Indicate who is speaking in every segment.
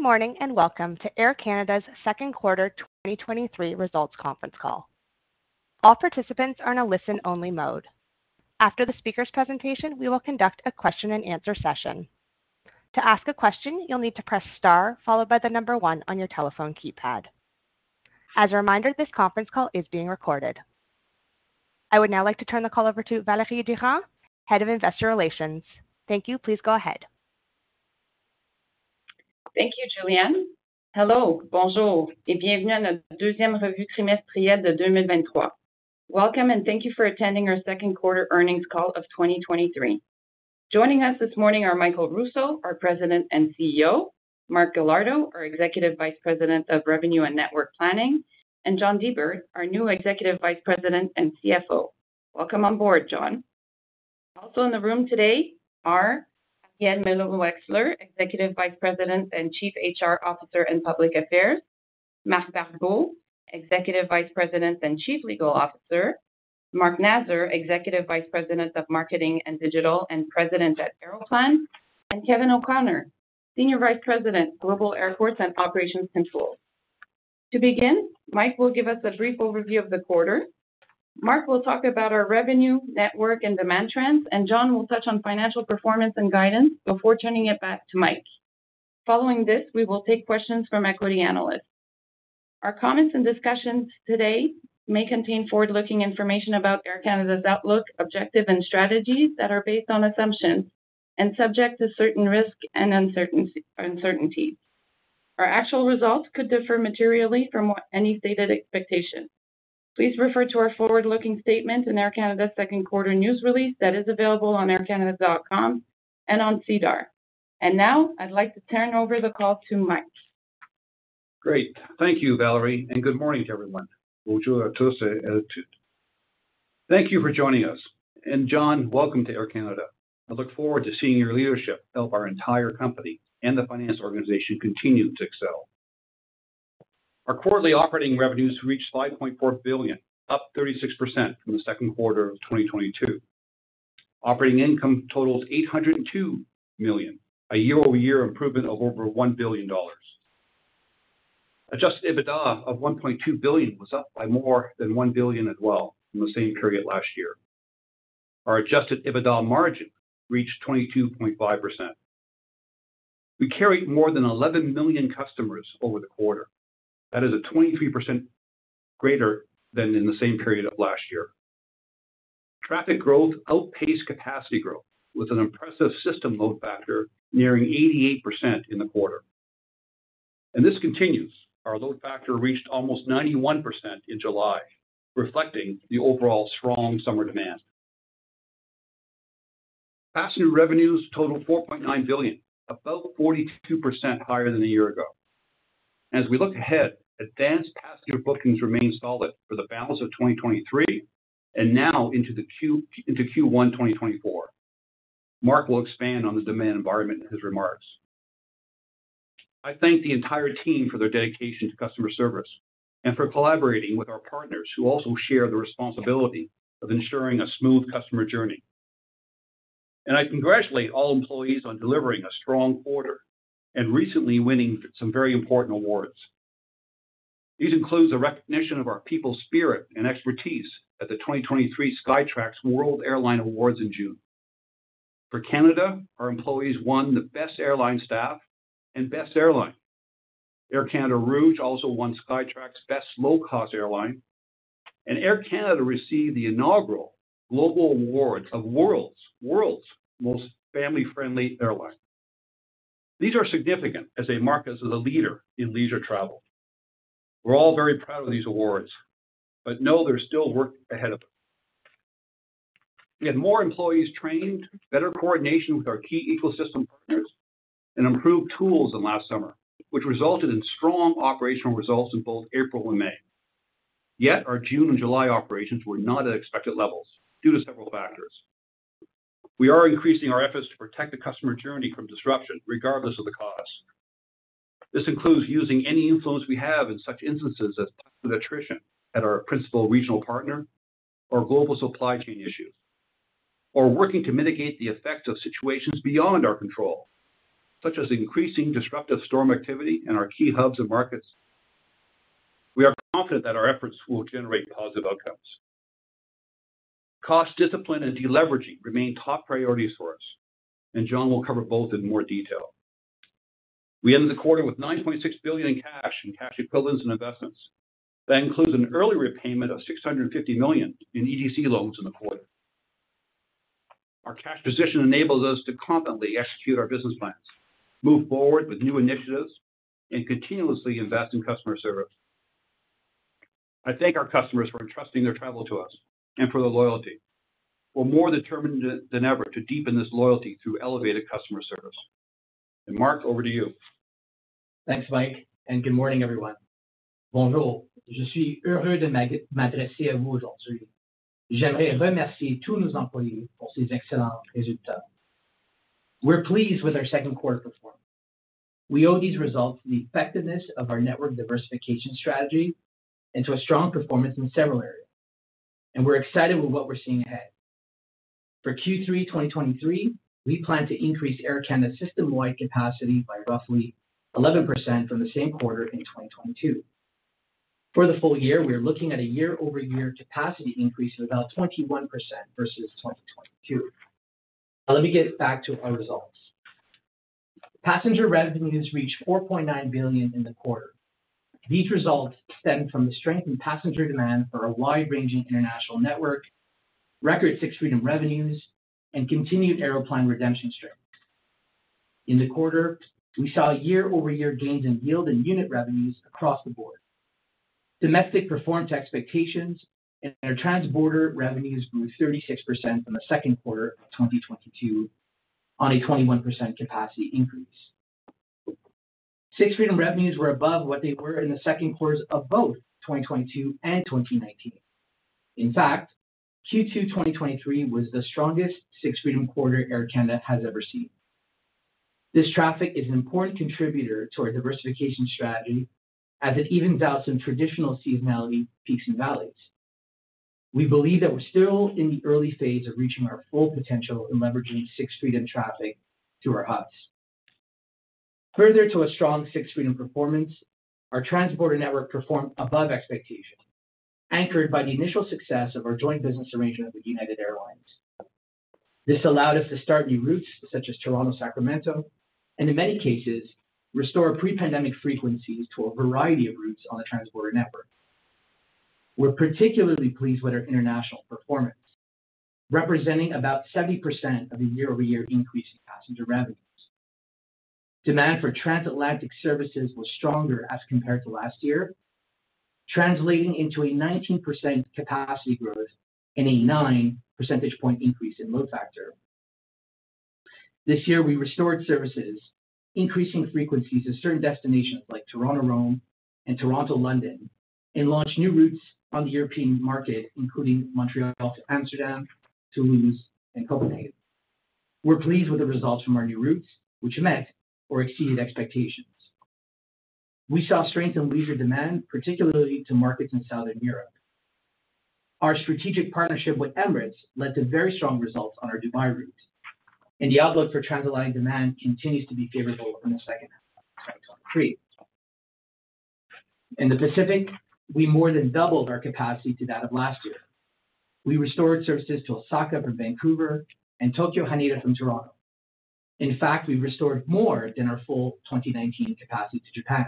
Speaker 1: Good morning, and welcome to Air Canada's 2Q 2023 results conference call. All participants are in a listen-only mode. After the speaker's presentation, we will conduct a question and answer session. To ask a question, you'll need to press star, followed by one on your telephone keypad. As a reminder, this conference call is being recorded. I would now like to turn the call over to Valerie Durand, Head of Investor Relations. Thank you. Please go ahead.
Speaker 2: Thank you, Julianne. Hello. Bonjour, et bienvenue à notre deuxième revue trimestrielle de 2023. Welcome, and thank you for attending our second quarter earnings call of 2023. Joining us this morning are Michael Rousseau, our President and CEO, Mark Galardo, our Executive Vice President of Revenue and Network Planning, and John Di Bert, our new Executive Vice President and CFO. Welcome on board, John. Also in the room today are Arielle Meloul-Wechsler, Executive Vice President and Chief HR Officer and Public Affairs, Marc Barbeau, Executive Vice President and Chief Legal Officer, Mark Nasr, Executive Vice President of Marketing and Digital, and President at Aeroplan, and Kevin O'Connor, Senior Vice President, Global Airports and Operations Control. To begin, Michael will give us a brief overview of the quarter. Mark will talk about our revenue, network, and demand trends, John will touch on financial performance and guidance before turning it back to Michael. Following this, we will take questions from equity analysts. Our comments and discussions today may contain forward-looking information about Air Canada's outlook, objectives, and strategies that are based on assumptions and subject to certain risks and uncertaincy, uncertainties. Our actual results could differ materially from what any stated expectation. Please refer to our forward-looking statement in Air Canada's second quarter news release that is available on aircanada.com and on Sedar. Now I'd like to turn over the call to Michael.
Speaker 3: Great. Thank you, Valerie. Good morning to everyone. Bonjour a tous et a toutes. Thank you for joining us. John, welcome to Air Canada. I look forward to seeing your leadership help our entire company and the finance organization continue to excel. Our quarterly operating revenues reached 5.4 billion, up 36% from the second quarter of 2022. Operating income totaled 802 million, a year-over-year improvement of over 1 billion dollars. Adjusted EBITDA of 1.2 billion was up by more than 1 billion as well from the same period last year. Our Adjusted EBITDA margin reached 22.5%. We carried more than 11 million customers over the quarter. That is a 23% greater than in the same period of last year. Traffic growth outpaced capacity growth, with an impressive system load factor nearing 88% in the quarter. This continues. Our load factor reached almost 91% in July, reflecting the overall strong summer demand. Passenger revenues totaled 4.9 billion, about 42% higher than a year ago. As we look ahead, advanced passenger bookings remain solid for the balance of 2023 and now into Q1 2024. Mark will expand on the demand environment in his remarks. I thank the entire team for their dedication to customer service and for collaborating with our partners, who also share the responsibility of ensuring a smooth customer journey. I congratulate all employees on delivering a strong quarter and recently winning some very important awards. These includes a recognition of our people's spirit and expertise at the 2023 Skytrax World Airline Awards in June. For Canada, our employees won the Best Airline Staff and Best Airline. Air Canada Rouge also won Skytrax Best Low Cost Airline, and Air Canada received the inaugural Global Award of World's Most Family-Friendly Airline. These are significant as they mark us as a leader in leisure travel. We're all very proud of these awards, but know there's still work ahead of them. We had more employees trained, better coordination with our key ecosystem partners, and improved tools than last summer, which resulted in strong operational results in both April and May. Yet our June and July operations were not at expected levels due to several factors. We are increasing our efforts to protect the customer journey from disruption, regardless of the cost. This includes using any influence we have in such instances as attrition at our principal regional partner or global supply chain issues, or working to mitigate the effect of situations beyond our control, such as increasing disruptive storm activity in our key hubs and markets. We are confident that our efforts will generate positive outcomes. Cost discipline and deleveraging remain top priorities for us. John will cover both in more detail. We ended the quarter with 9.6 billion in cash and cash equivalents and investments. That includes an early repayment of 650 million in EDC loans in the quarter. Our cash position enables us to confidently execute our business plans, move forward with new initiatives, and continuously invest in customer service. I thank our customers for entrusting their travel to us and for their loyalty. We're more determined than ever to deepen this loyalty through elevated customer service. Mark, over to you.
Speaker 4: Thanks, Michael, and good morning, everyone. Bonjour, je suis heureux de m'adresser à vous aujourd'hui. J'aimerais remercier tous nos employés pour ces excellents résultats. We're pleased with our second quarter performance. We owe these results to the effectiveness of our network diversification strategy and to a strong performance in several areas, and we're excited with what we're seeing ahead. For Q3 2023, we plan to increase Air Canada's system-wide capacity by roughly 11% from the same quarter in 2022. For the full year, we are looking at a year-over-year capacity increase of about 21% versus 2022. Now, let me get back to our results. Passenger revenues reached 4.9 billion in the quarter. These results stem from the strength in passenger demand for a wide-ranging international network, record sixth freedom revenues, and continued Aeroplan redemption strength. In the quarter, we saw year-over-year gains in yield and unit revenues across the board. Domestic performed to expectations, and our transborder revenues grew 36% from the second quarter of 2022 on a 21% capacity increase. Sixth Freedom revenues were above what they were in the second quarters of both 2022 and 2019. In fact, Q2 2023 was the strongest sixth freedom quarter Air Canada has ever seen. This traffic is an important contributor to our diversification strategy, as it evens out some traditional seasonality, peaks, and valleys. We believe that we're still in the early phase of reaching our full potential in leveraging sixth freedom traffic to our hubs. Further to a strong sixth freedom performance, our Transborder network performed above expectations, anchored by the initial success of our joint business arrangement with United Airlines. This allowed us to start new routes, such as Toronto, Sacramento, and in many cases, restore pre-pandemic frequencies to a variety of routes on the Transborder network. We're particularly pleased with our international performance, representing about 70% of the year-over-year increase in passenger revenues. Demand for Transatlantic services was stronger as compared to last year, translating into a 19% capacity growth and a 9 percentage point increase in load factor. This year, we restored services, increasing frequencies to certain destinations like Toronto, Rome, and Toronto, London, and launched new routes on the European market, including Montreal to Amsterdam, Toulouse, and Copenhagen. We're pleased with the results from our new routes, which met or exceeded expectations. We saw strength in leisure demand, particularly to markets in Southern Europe. Our strategic partnership with Emirates led to very strong results on our Dubai route, and the outlook for Transatlantic demand continues to be favorable in the second half of 2023. In the Pacific, we more than doubled our capacity to that of last year. We restored services to Osaka from Vancouver and Tokyo Haneda from Toronto. In fact, we restored more than our full 2019 capacity to Japan.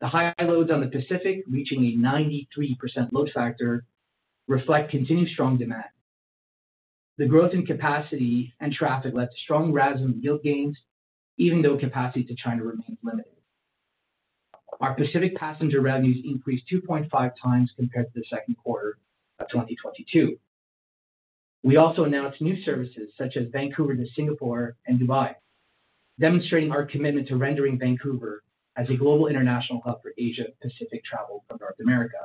Speaker 4: The high loads on the Pacific, reaching a 93% load factor, reflect continued strong demand. The growth in capacity and traffic led to strong revenue and yield gains, even though capacity to China remains limited. Our Pacific passenger revenues increased 2.5 times compared to the second quarter of 2022. We also announced new services such as Vancouver to Singapore and Dubai, demonstrating our commitment to rendering Vancouver as a global international hub for Asia Pacific travel from North America.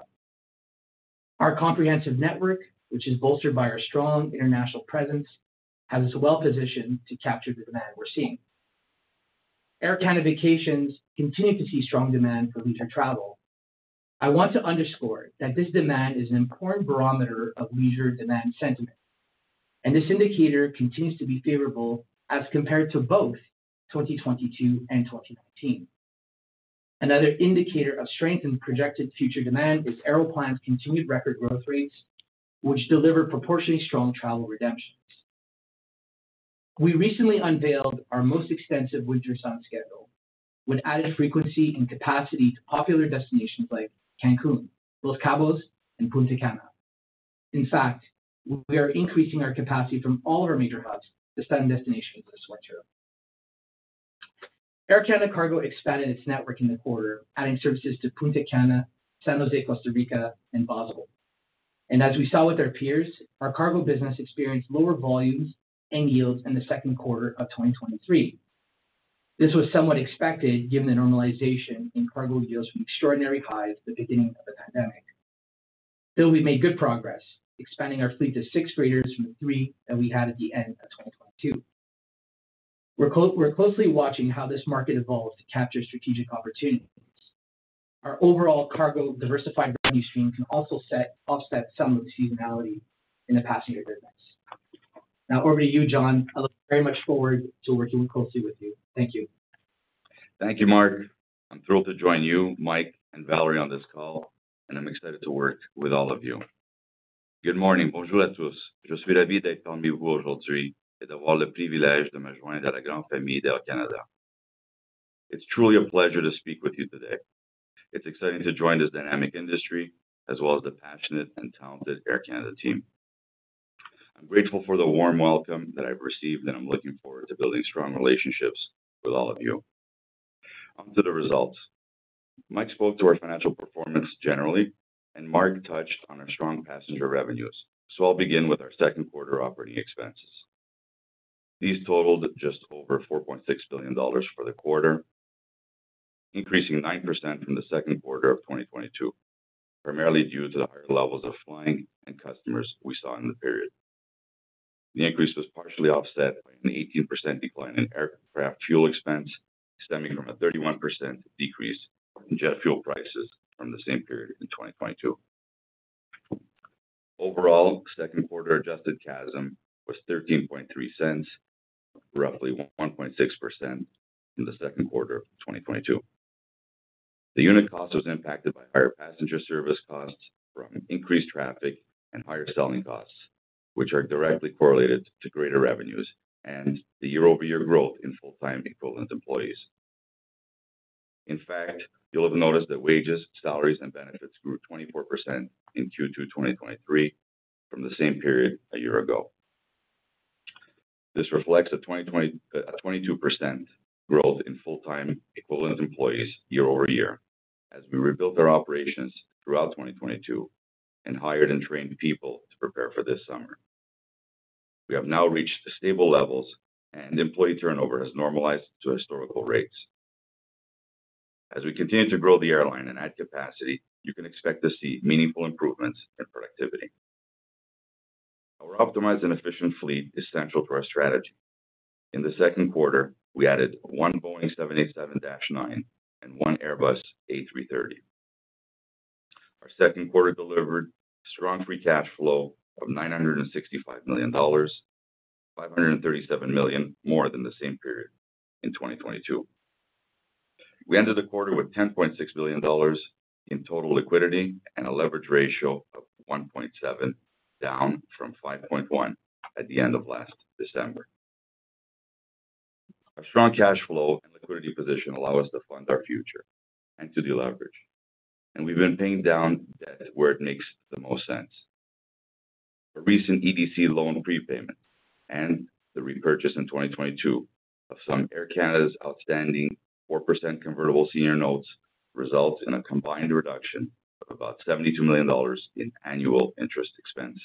Speaker 4: Our comprehensive network, which is bolstered by our strong international presence, has us well-positioned to capture the demand we're seeing. Air Canada Vacations continue to see strong demand for leisure travel. I want to underscore that this demand is an important barometer of leisure demand sentiment, and this indicator continues to be favorable as compared to both 2022 and 2019. Another indicator of strength and projected future demand is Aeroplan's continued record growth rates, which deliver proportionally strong travel redemptions. We recently unveiled our most extensive winter sun schedule, with added frequency and capacity to popular destinations like Cancun, Los Cabos, and Punta Cana. In fact, we are increasing our capacity from all of our major hubs to sun destinations this winter. Air Canada Cargo expanded its network in the quarter, adding services to Punta Cana, San Jose, Costa Rica, and Basel. As we saw with our peers, our cargo business experienced lower volumes and yields in the second quarter of 2023. This was somewhat expected, given the normalization in cargo yields from extraordinary highs at the beginning of the pandemic. Still, we made good progress, expanding our fleet to six freighters from the three that we had at the end of 2022. We're closely watching how this market evolves to capture strategic opportunities. Our overall cargo diversified revenue stream can also offset some of the seasonality in the passenger business. Now over to you, John. I look very much forward to working closely with you. Thank you.
Speaker 5: Thank you, Mark. I'm thrilled to join you, Michael, and Valerie on this call. I'm excited to work with all of you. Good morning. Bonjour à tous. Je suis ravi d'être parmi vous aujourd'hui et d'avoir le privilège de me joindre à la grande famille d'Air Canada. It's truly a pleasure to speak with you today. It's exciting to join this dynamic industry, as well as the passionate and talented Air Canada team. I'm grateful for the warm welcome that I've received, and I'm looking forward to building strong relationships with all of you. On to the results. Michael spoke to our financial performance generally. Mark touched on our strong passenger revenues. I'll begin with our second quarter operating expenses. These totaled just over 4.6 billion dollars for the quarter, increasing 9% from the second quarter of 2022, primarily due to the higher levels of flying and customers we saw in the period. The increase was partially offset by an 18% decline in aircraft fuel expense stemming from a 31% decrease in jet fuel prices from the same period in 2022. Overall, second quarter Adjusted CASM was 0.133, roughly 1.6% in the second quarter of 2022. The unit cost was impacted by higher passenger service costs from increased traffic and higher selling costs, which are directly correlated to greater revenues and the year-over-year growth in full-time equivalent employees. In fact, you'll have noticed that wages, salaries, and benefits grew 24% in Q2 2023 from the same period a year ago. This reflects a 22% growth in full-time equivalent employees year-over-year, as we rebuilt our operations throughout 2022 and hired and trained people to prepare for this summer. We have now reached the stable levels, and employee turnover has normalized to historical rates. As we continue to grow the airline and add capacity, you can expect to see meaningful improvements in productivity. Our optimized and efficient fleet is central to our strategy. In the second quarter, we added one Boeing 787-9 and one Airbus A330. Our second quarter delivered strong free cash flow of $965 million, $537 million more than the same period in 2022. We ended the quarter with 10.6 billion dollars in total liquidity and a leverage ratio of 1.7, down from 5.1 at the end of last December. Our strong cash flow and liquidity position allow us to fund our future and to deleverage, and we've been paying down debt where it makes the most sense. A recent EDC loan prepayment and the repurchase in 2022 of some Air Canada's outstanding 4% convertible senior notes, results in a combined reduction of about 72 million dollars in annual interest expense.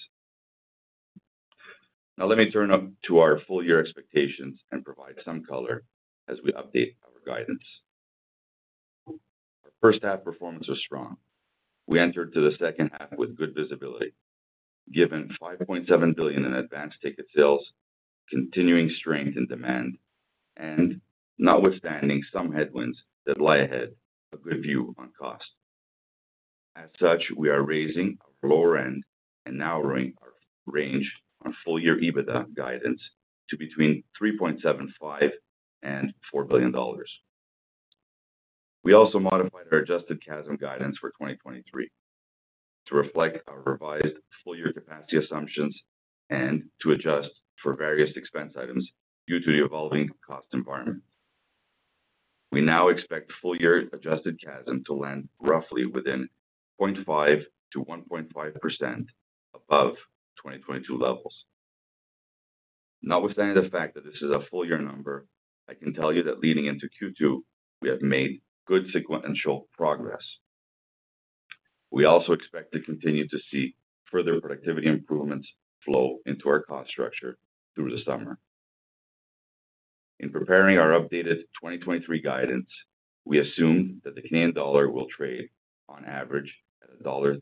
Speaker 5: Let me turn up to our full year expectations and provide some color as we update our guidance. First half performance was strong. We entered to the second half with good visibility, given 5.7 billion in advance ticket sales, continuing strength in demand, and notwithstanding some headwinds that lie ahead, a good view on cost. As such, we are raising our lower end and narrowing our range on full year EBITDA guidance to between 3.75 billion and 4 billion dollars. We also modified our Adjusted CASM guidance for 2023 to reflect our revised full year capacity assumptions and to adjust for various expense items due to the evolving cost environment. We now expect full year Adjusted CASM to land roughly within 0.5%-1.5% above 2022 levels. Notwithstanding the fact that this is a full year number, I can tell you that leading into Q2, we have made good sequential progress. We also expect to continue to see further productivity improvements flow into our cost structure through the summer. In preparing our updated 2023 guidance, we assume that the Canadian dollar will trade on average at $1.34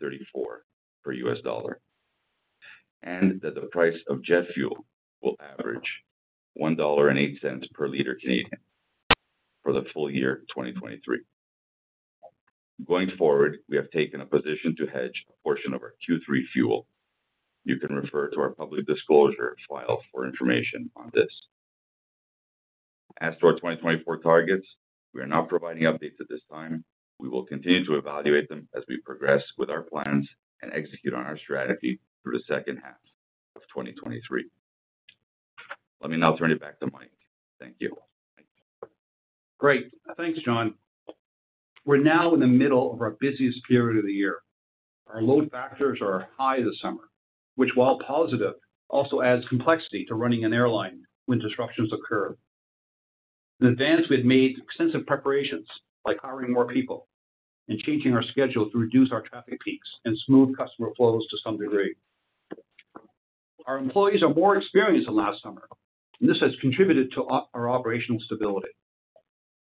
Speaker 5: per US dollar, and that the price of jet fuel will average CAD 1.08 per liter Canadian for the full year 2023. Going forward, we have taken a position to hedge a portion of our Q3 fuel. You can refer to our public disclosure file for information on this. As to our 2024 targets, we are not providing updates at this time. We will continue to evaluate them as we progress with our plans and execute on our strategy through the second half of 2023. Let me now turn it back to Michael. Thank you.
Speaker 3: Great. Thanks, John. We're now in the middle of our busiest period of the year. Our load factors are high this summer, which, while positive, also adds complexity to running an airline when disruptions occur. In advance, we've made extensive preparations by hiring more people and changing our schedule to reduce our traffic peaks and smooth customer flows to some degree. Our employees are more experienced than last summer, and this has contributed to our operational stability.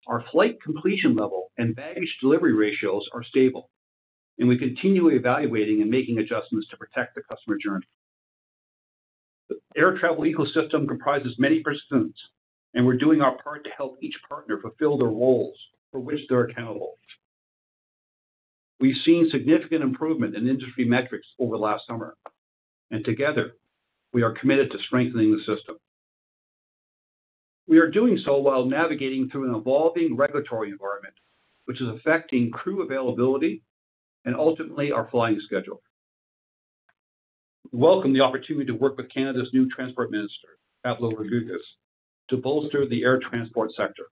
Speaker 3: Our flight completion level and baggage delivery ratios are stable, and we're continually evaluating and making adjustments to protect the customer journey. The air travel ecosystem comprises many participants, and we're doing our part to help each partner fulfill their roles for which they're accountable. We've seen significant improvement in industry metrics over last summer, and together, we are committed to strengthening the system. We are doing so while navigating through an evolving regulatory environment, which is affecting crew availability and ultimately our flying schedule. We welcome the opportunity to work with Canada's new Transport Minister, Pablo Rodriguez, to bolster the air transport sector.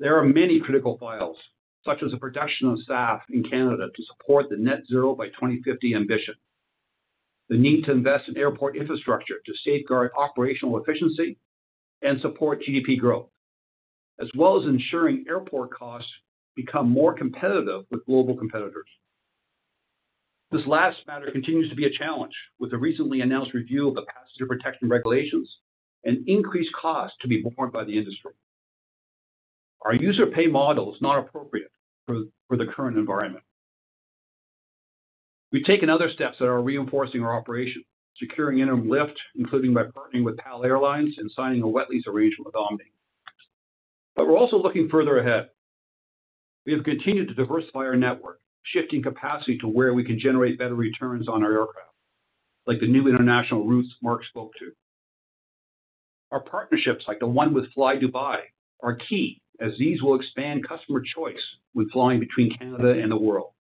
Speaker 3: There are many critical files, such as the production of SAF in Canada to support the net zero by 2050 ambition, the need to invest in airport infrastructure to safeguard operational efficiency and support GDP growth, as well as ensuring airport costs become more competitive with global competitors. This last matter continues to be a challenge with the recently announced review of the Passenger Protection Regulations and increased costs to be borne by the industry. Our user pay model is not appropriate for the current environment. We've taken other steps that are reinforcing our operation, securing interim lift, including by partnering with PAL Airlines and signing a wet lease arrangement with Omni. We're also looking further ahead. We have continued to diversify our network, shifting capacity to where we can generate better returns on our aircraft, like the new international routes Mark spoke to. Our partnerships, like the one with flydubai, are key as these will expand customer choice with flying between Canada and the world.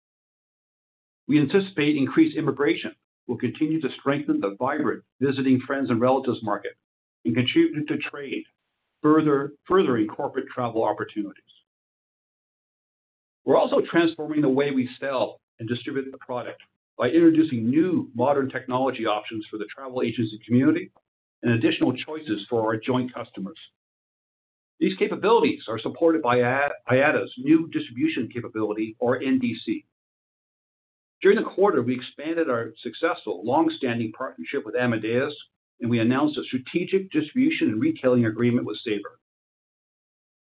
Speaker 3: We anticipate increased immigration will continue to strengthen the vibrant visiting friends and relatives market and contribute to trade, further, furthering corporate travel opportunities. We're also transforming the way we sell and distribute the product by introducing new modern technology options for the travel agency community and additional choices for our joint customers. These capabilities are supported by IATA's new distribution capability or NDC. During the quarter, we expanded our successful long-standing partnership with Amadeus, and we announced a strategic distribution and retailing agreement with Sabre.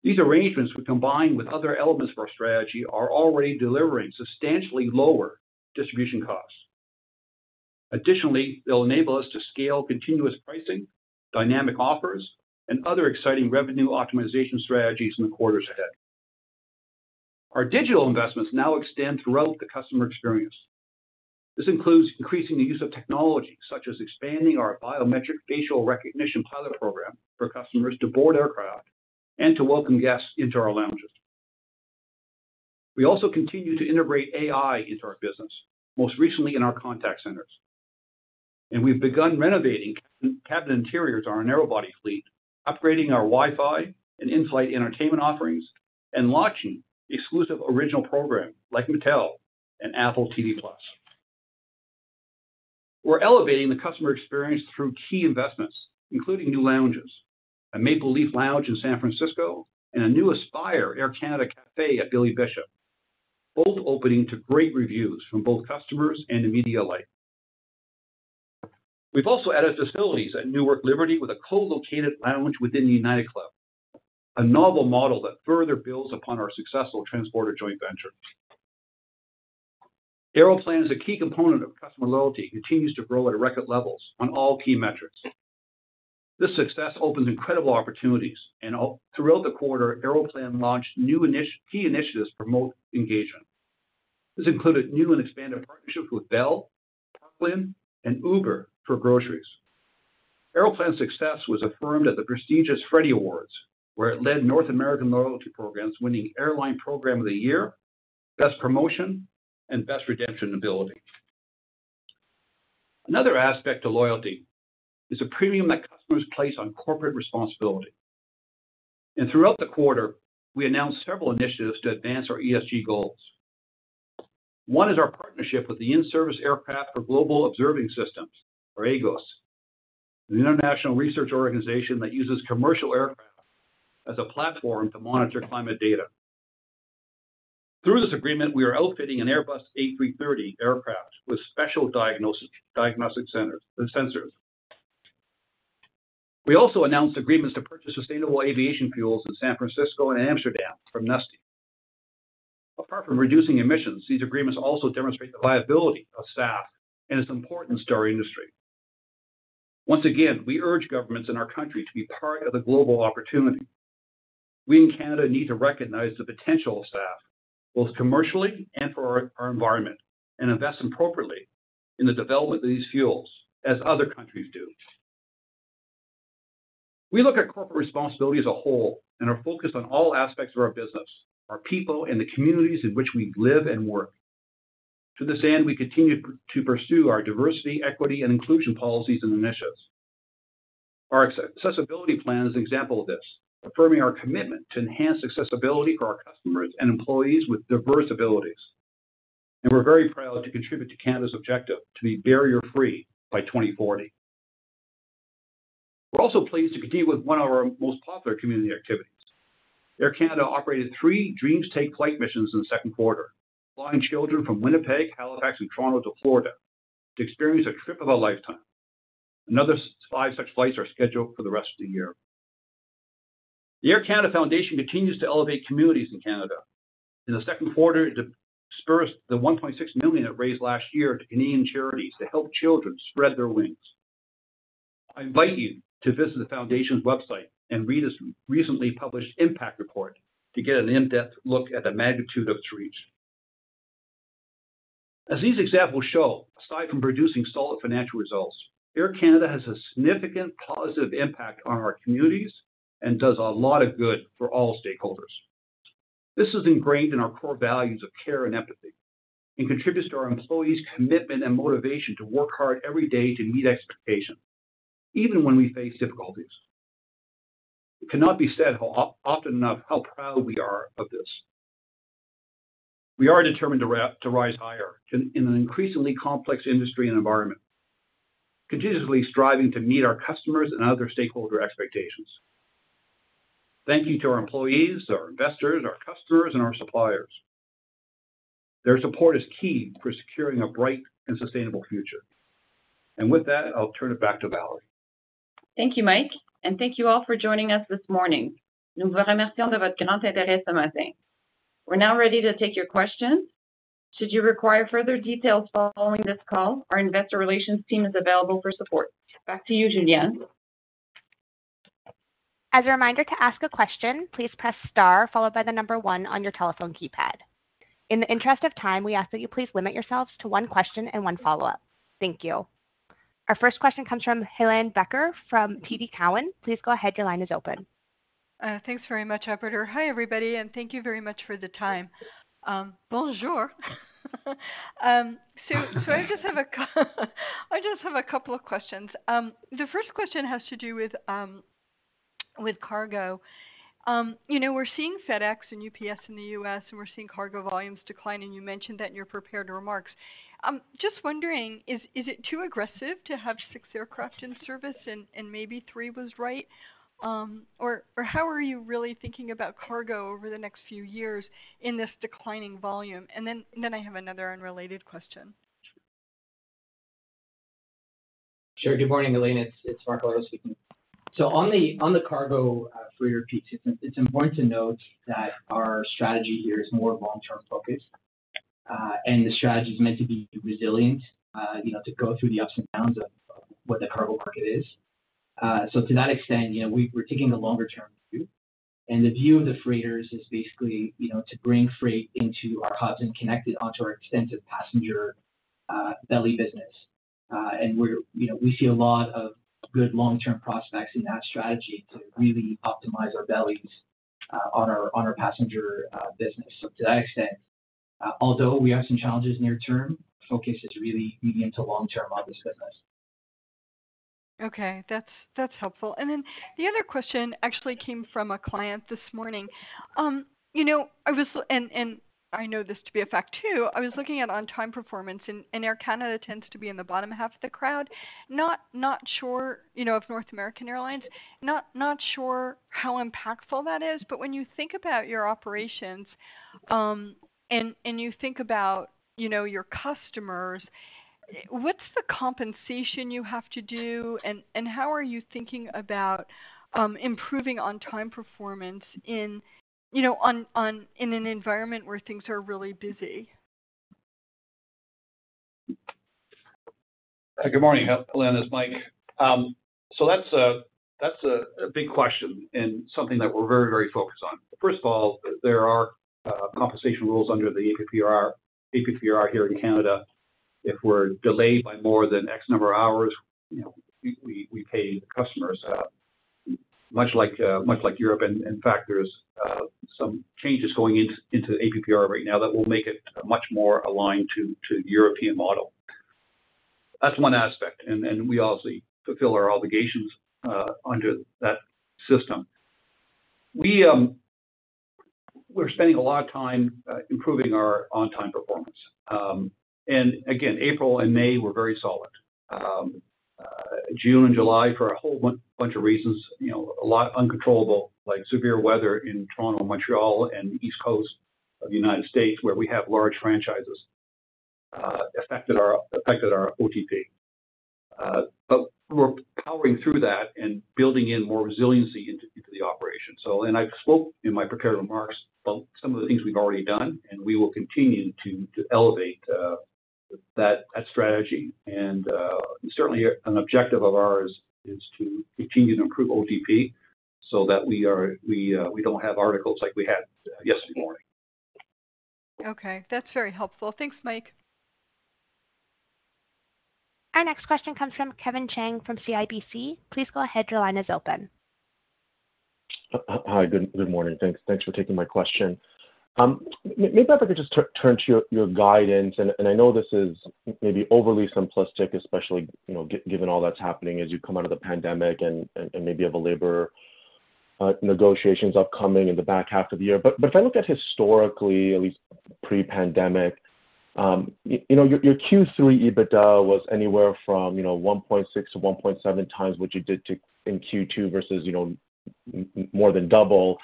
Speaker 3: These arrangements, when combined with other elements of our strategy, are already delivering substantially lower distribution costs. They'll enable us to scale continuous pricing, dynamic offers, and other exciting revenue optimization strategies in the quarters ahead. Our digital investments now extend throughout the customer experience. This includes increasing the use of technology, such as expanding our biometric facial recognition pilot program for customers to board aircraft and to welcome guests into our lounges. We also continue to integrate AI into our business, most recently in our contact centers, and we've begun renovating cabin interiors on our narrow body fleet, upgrading our Wi-Fi and in-flight entertainment offerings, and launching exclusive original programming like Mattel and Apple TV+. We're elevating the customer experience through key investments, including new lounges, a Maple Leaf Lounge in San Francisco, and a new Aspire Air Canada Cafe at Billy Bishop, both opening to great reviews from both customers and the media alike. We've also added facilities at Newark Liberty with a co-located lounge within the United Club, a novel model that further builds upon our successful transporter joint venture. Aeroplan is a key component of customer loyalty, continues to grow at record levels on all key metrics. This success opens incredible opportunities, and all throughout the quarter, Aeroplan launched new key initiatives to promote engagement. This included new and expanded partnerships with Bell, Brooklinen, and Uber for groceries. Aeroplan's success was affirmed at the prestigious Freddie Awards, where it led North American loyalty programs, winning Airline Program of the Year, Best Promotion, and Best Redemption Ability. Another aspect to loyalty is a premium that customers place on corporate responsibility, and throughout the quarter, we announced several initiatives to advance our ESG goals. One is our partnership with the In-Service Aircraft for Global Observing Systems, or IAGOS, an international research organization that uses commercial aircraft as a platform to monitor climate data. Through this agreement, we are outfitting an Airbus A330 aircraft with special diagnostic sensors. We also announced agreements to purchase sustainable aviation fuels in San Francisco and Amsterdam from Neste. Apart from reducing emissions, these agreements also demonstrate the viability of SAF and its importance to our industry. Once again, we urge governments in our country to be part of the global opportunity. We in Canada need to recognize the potential of SAF, both commercially and for our environment, and invest appropriately in the development of these fuels, as other countries do. We look at corporate responsibility as a whole and are focused on all aspects of our business, our people, and the communities in which we live and work. To this end, we continue to pursue our diversity, equity, and inclusion policies and initiatives. Our Accessibility Plan is an example of this, affirming our commitment to enhance accessibility for our customers and employees with diverse abilities. We're very proud to contribute to Canada's objective to be barrier-free by 2040. We're also pleased to continue with one of our most popular community activities. Air Canada operated three Dreams Take Flight missions in the 2Q, flying children from Winnipeg, Halifax, and Toronto to Florida to experience a trip of a lifetime. Another five such flights are scheduled for the rest of the year. The Air Canada Foundation continues to elevate communities in Canada. In the second quarter, it dispersed the 1.6 million it raised last year to Canadian charities to help children spread their wings. I invite you to visit the foundation's website and read its recently published impact report to get an in-depth look at the magnitude of its reach. As these examples show, aside from producing solid financial results, Air Canada has a significant positive impact on our communities and does a lot of good for all stakeholders. This is ingrained in our core values of care and empathy and contributes to our employees' commitment and motivation to work hard every day to meet expectations, even when we face difficulties. It cannot be said how often enough how proud we are of this. We are determined to rise higher in an increasingly complex industry and environment, continuously striving to meet our customers and other stakeholder expectations. Thank you to our employees, our investors, our customers, and our suppliers. Their support is key for securing a bright and sustainable future. With that, I'll turn it back to Valerie.
Speaker 2: Thank you, Michael. Thank you all for joining us this morning. We're now ready to take your questions. Should you require further details following this call, our investor relations team is available for support. Back to you, Julianne.
Speaker 1: As a reminder, to ask a question, please press star followed by one on your telephone keypad. In the interest of time, we ask that you please limit yourselves to one question and one follow-up. Thank you. Our first question comes from Helane Becker from TD Cowen. Please go ahead. Your line is open.
Speaker 6: Thanks very much, operator. Hi, everybody, and thank you very much for the time. Bonjour. I just have a couple of questions. The first question has to do with cargo. You know, we're seeing FedEx and UPS in the U.S., and we're seeing cargo volumes decline, and you mentioned that in your prepared remarks. Just wondering, is it too aggressive to have six aircraft in service and maybe three was right? How are you really thinking about cargo over the next few years in this declining volume? I have another unrelated question.
Speaker 4: Sure. Good morning, Helane. It's, it's Mark Galardo speaking. On the, on the cargo, for your piece, it's, it's important to note that our strategy here is more long-term focused, and the strategy is meant to be resilient, you know, to go through the ups and downs of, of what the cargo market is. To that extent, you know, we're taking a longer term view, and the view of the freighters is basically, you know, to bring freight into our hubs and connect it onto our extensive passenger, belly business. We're - you know, we see a lot of good long-term prospects in that strategy to really optimize our bellies, on our, on our passenger, business. To that extent, although we have some challenges near term, focus is really medium to long term on this business.
Speaker 6: Okay. That's, that's helpful. Then the other question actually came from a client this morning. You know, I know this to be a fact, too. I was looking at on-time performance. Air Canada tends to be in the bottom half of the crowd. Not sure, you know, of North American Airlines. Not sure how impactful that is. When you think about your operations, and you think about, you know, your customers, what's the compensation you have to do, how are you thinking about, improving on-time performance in, you know, in an environment where things are really busy?
Speaker 3: Good morning, Helane. It's Michael. That's a, that's a, a big question and something that we're very, very focused on. First of all, there are compensation rules under the APPR, APPR here in Canada. If we're delayed by more than X number of hours, you know, we, we, we pay the customers much like much like Europe. In fact, there's some changes going into, into the APPR right now that will make it much more aligned to, to the European model. That's one aspect, and we obviously fulfill our obligations under that system. We, we're spending a lot of time improving our on-time performance. Again, April and May were very solid. June and July, for a whole bunch of reasons, you know, a lot uncontrollable, like severe weather in Toronto, Montreal, and the East Coast of the United States, where we have large franchises, affected our, affected our OTP. But we're powering through that and building in more resiliency into, into the operation. And I've spoke in my prepared remarks about some of the things we've already done, and we will continue to, to elevate that, that strategy. Certainly an objective of ours is to continue to improve OTP so that we are, we, we don't have articles like we had yesterday morning.
Speaker 6: Okay. That's very helpful. Thanks, Michael.
Speaker 1: Our next question comes from Kevin Chiang from CIBC. Please go ahead. Your line is open.
Speaker 7: Hi. Good, good morning. Thanks, thanks for taking my question. maybe if I could just turn, turn to your, your guidance, and, and I know this is maybe overly simplistic, especially, you know, given all that's happening as you come out of the pandemic and, and, and maybe you have a labor negotiations upcoming in the back half of the year. if I look at historically, at least pre-pandemic, you know, your, your Q3 EBITDA was anywhere from, you know, 1.6 to 1.7 times what you did in Q2 versus, you know, more than double. If,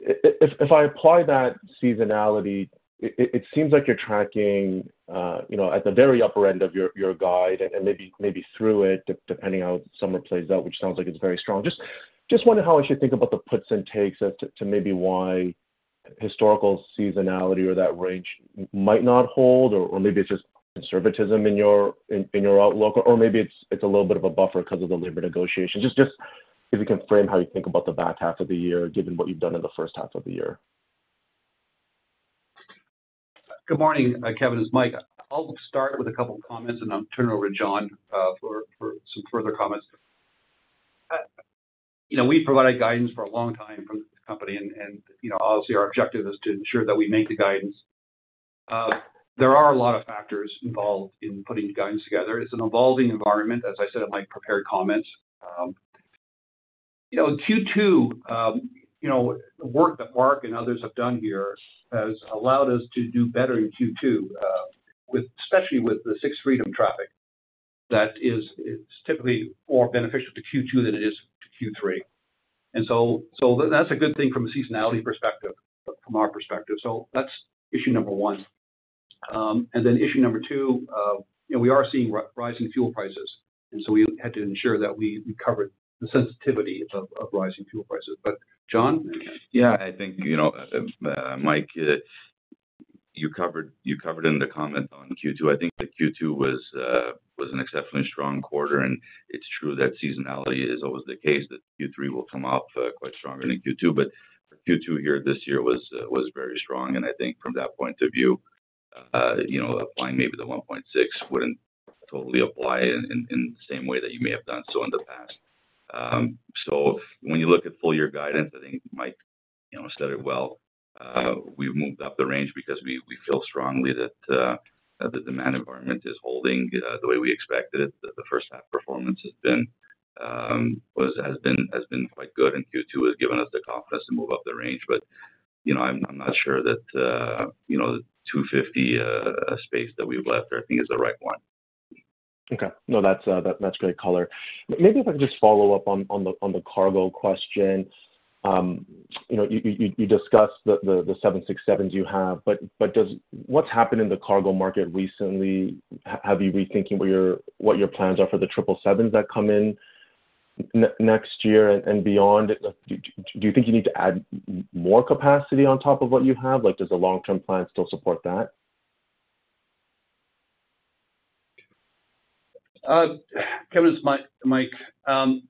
Speaker 7: if I apply that seasonality, it, it, it seems like you're tracking, you know, at the very upper end of your, your guide and, and maybe, maybe through it, depending on how summer plays out, which sounds like it's very strong. Just wondering how I should think about the puts and takes as to maybe why historical seasonality or that range might not hold, or maybe it's just conservatism in your outlook, or maybe it's a little bit of a buffer because of the labor negotiations. Just if you can frame how you think about the back half of the year, given what you've done in the first half of the year.
Speaker 3: Good morning, Kevin, it's Michael. I'll start with a couple of comments, and I'll turn it over to John, for, for some further comments. You know, we provided guidance for a long time from the company, and, and, you know, obviously our objective is to ensure that we make the guidance. There are a lot of factors involved in putting guidance together. It's an evolving environment, as I said in my prepared comments. You know, Q2, you know, the work that Mark and others have done here has allowed us to do better in Q2, with- especially with the sixth freedom traffic. That is, it's typically more beneficial to Q2 than it is to Q3. So that's a good thing from a seasonality perspective, from our perspective. So that's issue number one. Then issue number two, you know, we are seeing rising fuel prices, and so we had to ensure that we, we covered the sensitivity of, of rising fuel prices. John?
Speaker 5: Yeah, I think, you know, Michael, you covered, you covered in the comment on Q2. I think that Q2 was an exceptionally strong quarter. It's true that seasonality is always the case, that Q3 will come up quite stronger than Q2. Q2 here this year was very strong, and I think from that point of view, you know, applying maybe the 1.6 wouldn't totally apply in the same way that you may have done so in the past. When you look at full year guidance, I think Michael, you know, said it well. We've moved up the range because we, we feel strongly that the demand environment is holding the way we expected it. That the first half performance has been quite good. Q2 has given us the confidence to move up the range. You know, I'm not sure that, you know, the 250 space that we've left there, I think, is the right one.
Speaker 7: Okay. No, that's, that's great color. Maybe if I could just follow up on, on the, on the cargo question. You know, you, you, you discussed the, the seven six sevens you have, but what's happened in the cargo market recently, have you rethinking what your, what your plans are for the triple sevens that come in next year and, and beyond? Do, do you think you need to add more capacity on top of what you have? Like, does the long-term plan still support that?
Speaker 3: Kevin, it's Michael.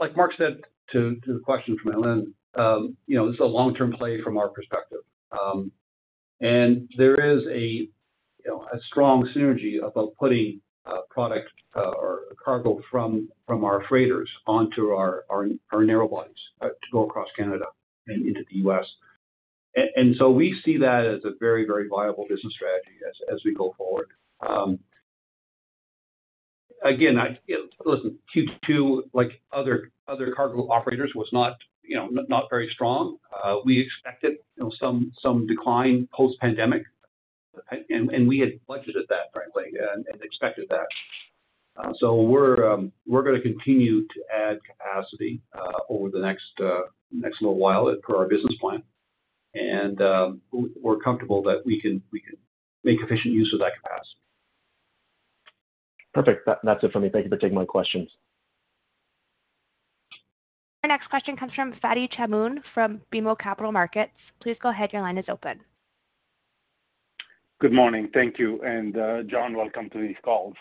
Speaker 3: Like Mark said to, to the question from Helane, you know, this is a long-term play from our perspective. There is a, you know, a strong synergy about putting product or cargo from, from our freighters onto our, our, our narrow bodies to go across Canada and into the U.S. We see that as a very, very viable business strategy as, as we go forward. Again, I, Q2, like other, other cargo operators, was not, you know, not very strong. We expected some, some decline post-pandemic, we had budgeted that, frankly, expected that. We're gonna continue to add capacity over the next next little while per our business plan. We're comfortable that we can, we can make efficient use of that capacity.
Speaker 7: Perfect. That's it for me. Thank you for taking my questions.
Speaker 1: Our next question comes from Fadi Chamoun, from BMO Capital Markets. Please go ahead. Your line is open.
Speaker 8: Good morning. Thank you. John, welcome to these calls.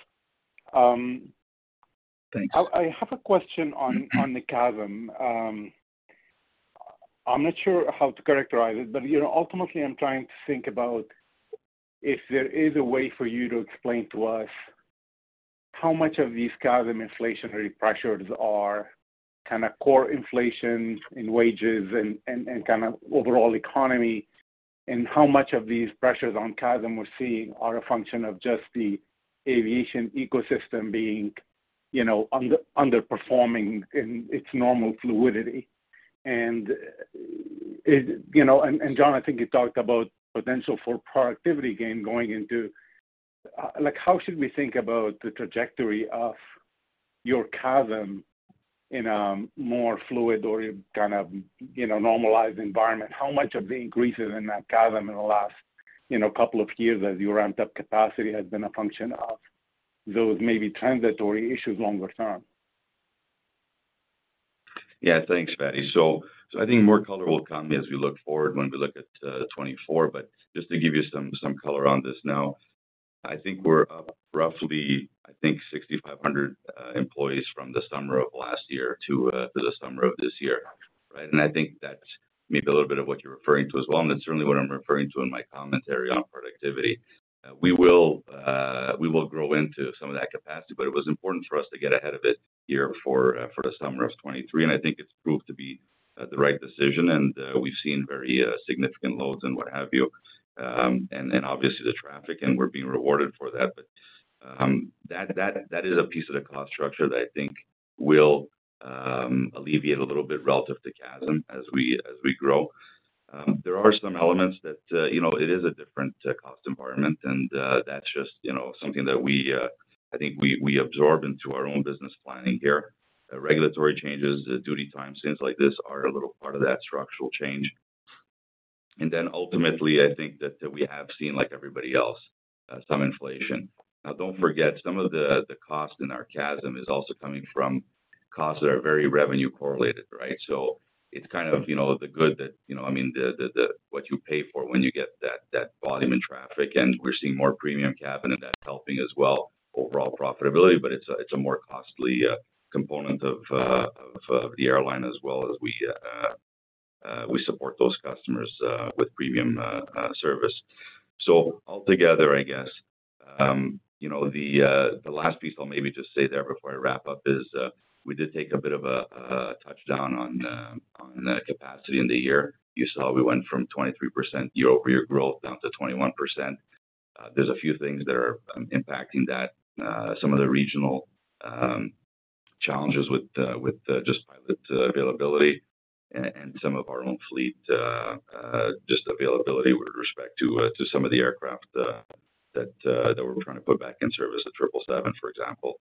Speaker 5: Thanks.
Speaker 8: I have a question on the CASM. I'm not sure how to characterize it, but, you know, ultimately, I'm trying to think about if there is a way for you to explain to us how much of these CASM inflationary pressures are kind of core inflation in wages and, and kind of overall economy, and how much of these pressures on CASM we're seeing are a function of just the aviation ecosystem being, you know, underperforming in its normal fluidity. You know, John, I think you talked about potential for productivity gain going into, like, how should we think about the trajectory of your CASM in a more fluid or kind of, you know, normalized environment? How much of the increases in that CASM in the last, you know, couple of years as you ramped up capacity, has been a function of those maybe transitory issues longer term?
Speaker 5: Yeah, thanks, Fadi. So I think more color will come as we look forward when we look at 2024. Just to give you some, some color on this now, I think we're up roughly, I think 6,500 employees from the summer of last year to the summer of this year, right? I think that's maybe a little bit of what you're referring to as well, and that's certainly what I'm referring to in my commentary on productivity. We will, we will grow into some of that capacity, but it was important for us to get ahead of it here for the summer of 2023, and I think it's proved to be the right decision, and we've seen very significant loads and what have you. Obviously the traffic, and we're being rewarded for that. That is a piece of the cost structure that I think will alleviate a little bit relative to CASM as we grow. There are some elements that, you know, it is a different cost environment, and that's just, you know, something that we, I think we, we absorb into our own business planning here. Regulatory changes, duty time, things like this are a little part of that structural change. Then ultimately, I think that we have seen, like everybody else, some inflation. Now, don't forget, some of the cost in our CASM is also coming from costs that are very revenue correlated, right? It's kind of, you know, the good that, you know, I mean, the what you pay for when you get that, that volume and traffic. We're seeing more premium cabin, and that's helping as well, overall profitability, but it's a more costly component of of the airline as well as we we support those customers with premium service. Altogether, I guess, you know, the last piece I'll maybe just say there before I wrap up is we did take a bit of a touchdown on on the capacity in the year. You saw we went from 23% year-over-year growth down to 21%. There's a few things that are impacting that. Some of the regional challenges with with just pilot availability. and, and some of our own fleet, just availability with respect to some of the aircraft that we're trying to put back in service, the triple seven, for example,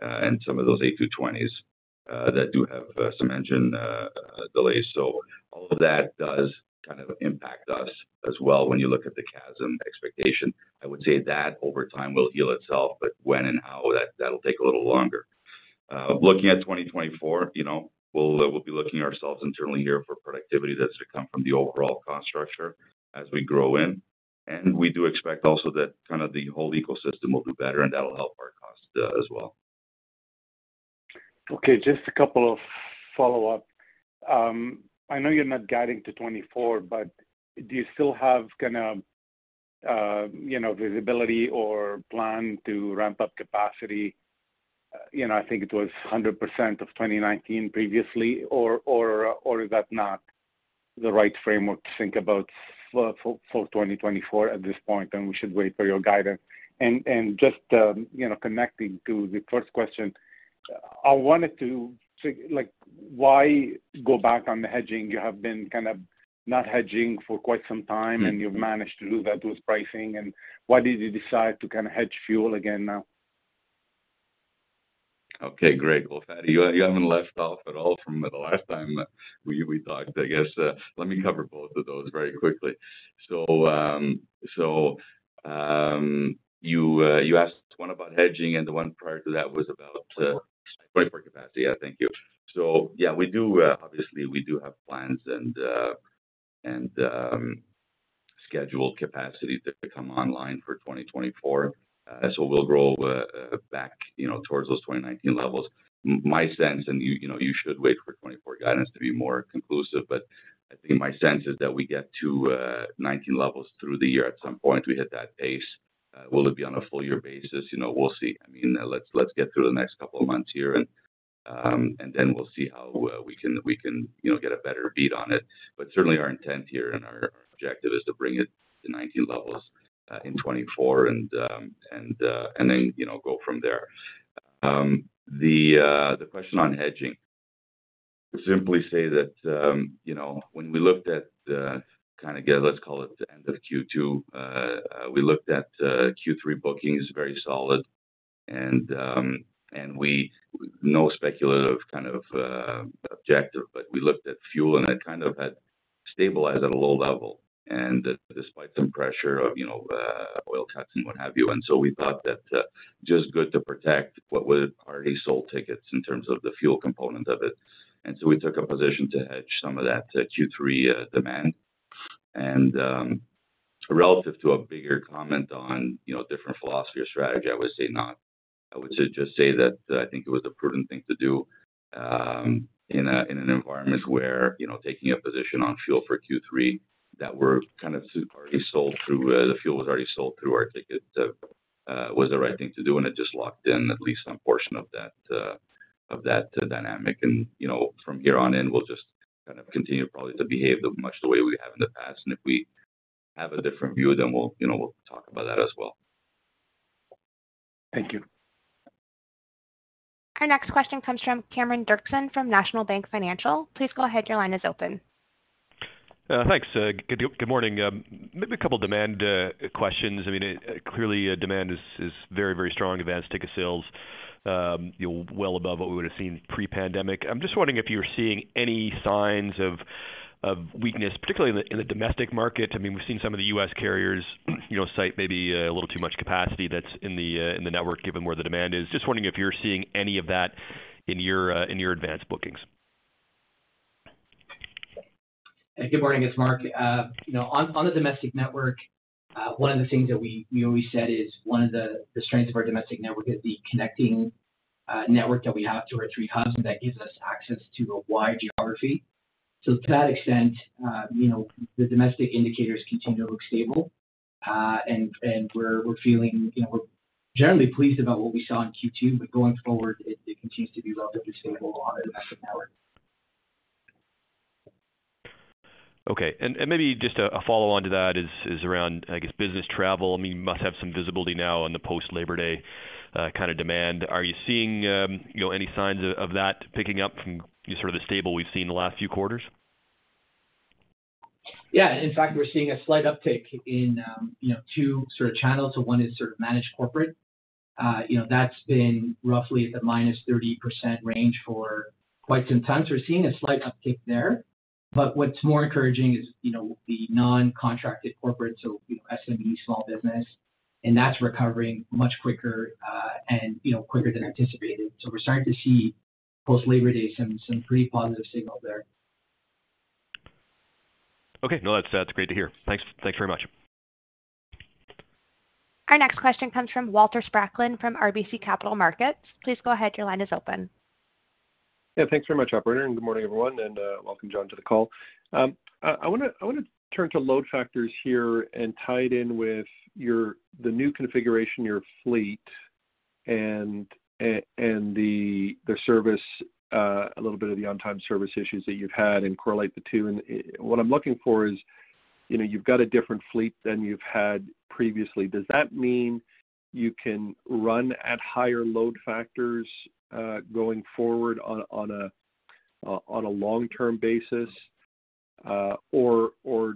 Speaker 5: and some of those A220s that do have some engine delays. All of that does kind of impact us as well when you look at the CASM expectation. I would say that over time will heal itself, but when and how, that, that'll take a little longer. Looking at 2024, you know, we'll, we'll be looking ourselves internally here for productivity that should come from the overall cost structure as we grow in. We do expect also that kind of the whole ecosystem will do better, and that'll help our costs, as well.
Speaker 8: Okay, just a couple of follow-up. I know you're not guiding to 2024, but do you still have kind of, you know, visibility or plan to ramp up capacity? You know, I think it was 100% of 2019 previously, or, or, or is that not the right framework to think about for, for, for 2024 at this point, and we should wait for your guidance? Just, you know, connecting to the first question, like, why go back on the hedging? You have been kind of not hedging for quite some time, and you've managed to do that with pricing. Why did you decide to kind of hedge fuel again now?
Speaker 5: Okay, great. Well, Fadi, you, you haven't left off at all from the last time we, we talked. I guess, let me cover both of those very quickly. You, you asked one about hedging, and the one prior to that was about.
Speaker 8: 2024.
Speaker 5: 2024 capacity. Yeah, thank you. Yeah, we do, obviously, we do have plans and, and, scheduled capacity to come online for 2024. We'll grow back, you know, towards those 2019 levels. My sense, and you, you know, you should wait for 2024 guidance to be more conclusive, but I think my sense is that we get to 2019 levels through the year at some point. We hit that pace. Will it be on a full year basis? You know, we'll see. I mean, let's, let's get through the next couple of months here and, and then we'll see how we can, we can, you know, get a better read on it. Certainly our intent here and our objective is to bring it to 19 levels in 2024 and, and then, you know, go from there. The question on hedging, simply say that, you know, when we looked at kind of get, let's call it the end of Q2, we looked at Q3 bookings, very solid. And we - no speculative kind of objective, but we looked at fuel, and that kind of had stabilized at a low level. Despite some pressure of, you know, oil cuts and what have you, and so we thought that just good to protect what was already sold tickets in terms of the fuel component of it. So we took a position to hedge some of that Q3 demand. Relative to a bigger comment on, you know, different philosophy or strategy, I would say not. I would just say that I think it was a prudent thing to do, in an environment where, you know, taking a position on fuel for Q3, that were kind of already sold through, the fuel was already sold through our tickets, was the right thing to do, and it just locked in at least some portion of that, of that dynamic. You know, from here on in, we'll just kind of continue probably to behave the much the way we have in the past, and if we have a different view, then we'll, you know, we'll talk about that as well.
Speaker 8: Thank you.
Speaker 1: Our next question comes from Cameron Doerksen from National Bank Financial. Please go ahead, your line is open.
Speaker 9: Thanks, good, good morning. Maybe a couple demand questions. I mean, clearly, demand is, is very, very strong, advanced ticket sales, you know, well above what we would have seen pre-pandemic. I'm just wondering if you're seeing any signs of, of weakness, particularly in the, in the domestic market. I mean, we've seen some of the U.S. carriers, you know, cite maybe a little too much capacity that's in the network, given where the demand is. Just wondering if you're seeing any of that in your advanced bookings.
Speaker 4: Good morning, it's Mark. You know, on, on the domestic network, one of the things that we, we always said is one of the, the strengths of our domestic network is the connecting network that we have to our three hubs, and that gives us access to a wide geography. To that extent, you know, the domestic indicators continue to look stable. We're, we're feeling, you know, we're generally pleased about what we saw in Q2. Going forward, it, it continues to be relatively stable on the domestic network.
Speaker 9: Okay. Maybe just a, a follow-on to that is, is around, I guess, business travel. I mean, you must have some visibility now on the post-Labor Day kind of demand. Are you seeing, you know, any signs of, of that picking up from sort of the stable we've seen in the last few quarters?
Speaker 4: Yeah. In fact, we're seeing a slight uptick in, you know, two sort of channels. One is sort of managed corporate. You know, that's been roughly at the -30% range for quite some time. We're seeing a slight uptick there. What's more encouraging is, you know, the non-contracted corporate, so, you know, SME, small business, and that's recovering much quicker, and, you know, quicker than anticipated. We're starting to see post-Labor Day, some, some pretty positive signals there.
Speaker 9: Okay. No, that's great to hear. Thanks. Thanks very much.
Speaker 1: Our next question comes from Walter Spracklin, from RBC Capital Markets. Please go ahead, your line is open.
Speaker 10: Yeah, thanks very much, operator, good morning, everyone, and welcome, John, to the call. I, I wanna, I wanna turn to load factors here and tie it in with your, the new configuration in your fleet and, a-and the, the service, a little bit of the on-time service issues that you've had and correlate the two. What I'm looking for is you know, you've got a different fleet than you've had previously. Does that mean you can run at higher load factors, going forward on, on a, on a long-term basis? Or, or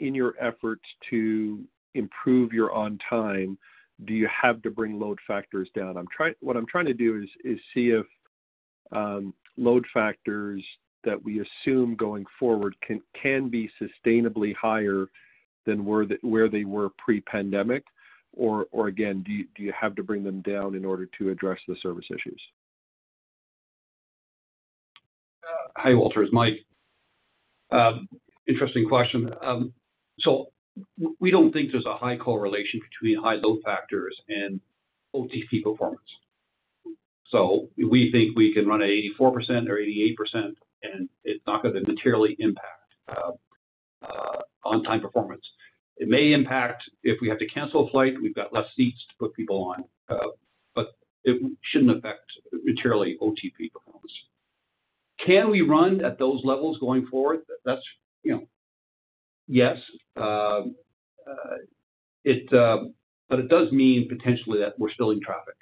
Speaker 10: in your efforts to improve your on time, do you have to bring load factors down? What I'm trying to do is, is see if, load factors that we assume going forward can, can be sustainably higher than where the, where they were pre-pandemic. Again, do you have to bring them down in order to address the service issues?
Speaker 3: Hi, Walter, it's Michael. Interesting question. We don't think there's a high correlation between high load factors and OTP performance. We think we can run at 84% or 88%, and it's not going to materially impact on time performance. It may impact if we have to cancel a flight, we've got less seats to put people on, but it shouldn't affect materially OTP performance. Can we run at those levels going forward? That's, you know, yes. It does mean potentially that we're spilling traffic.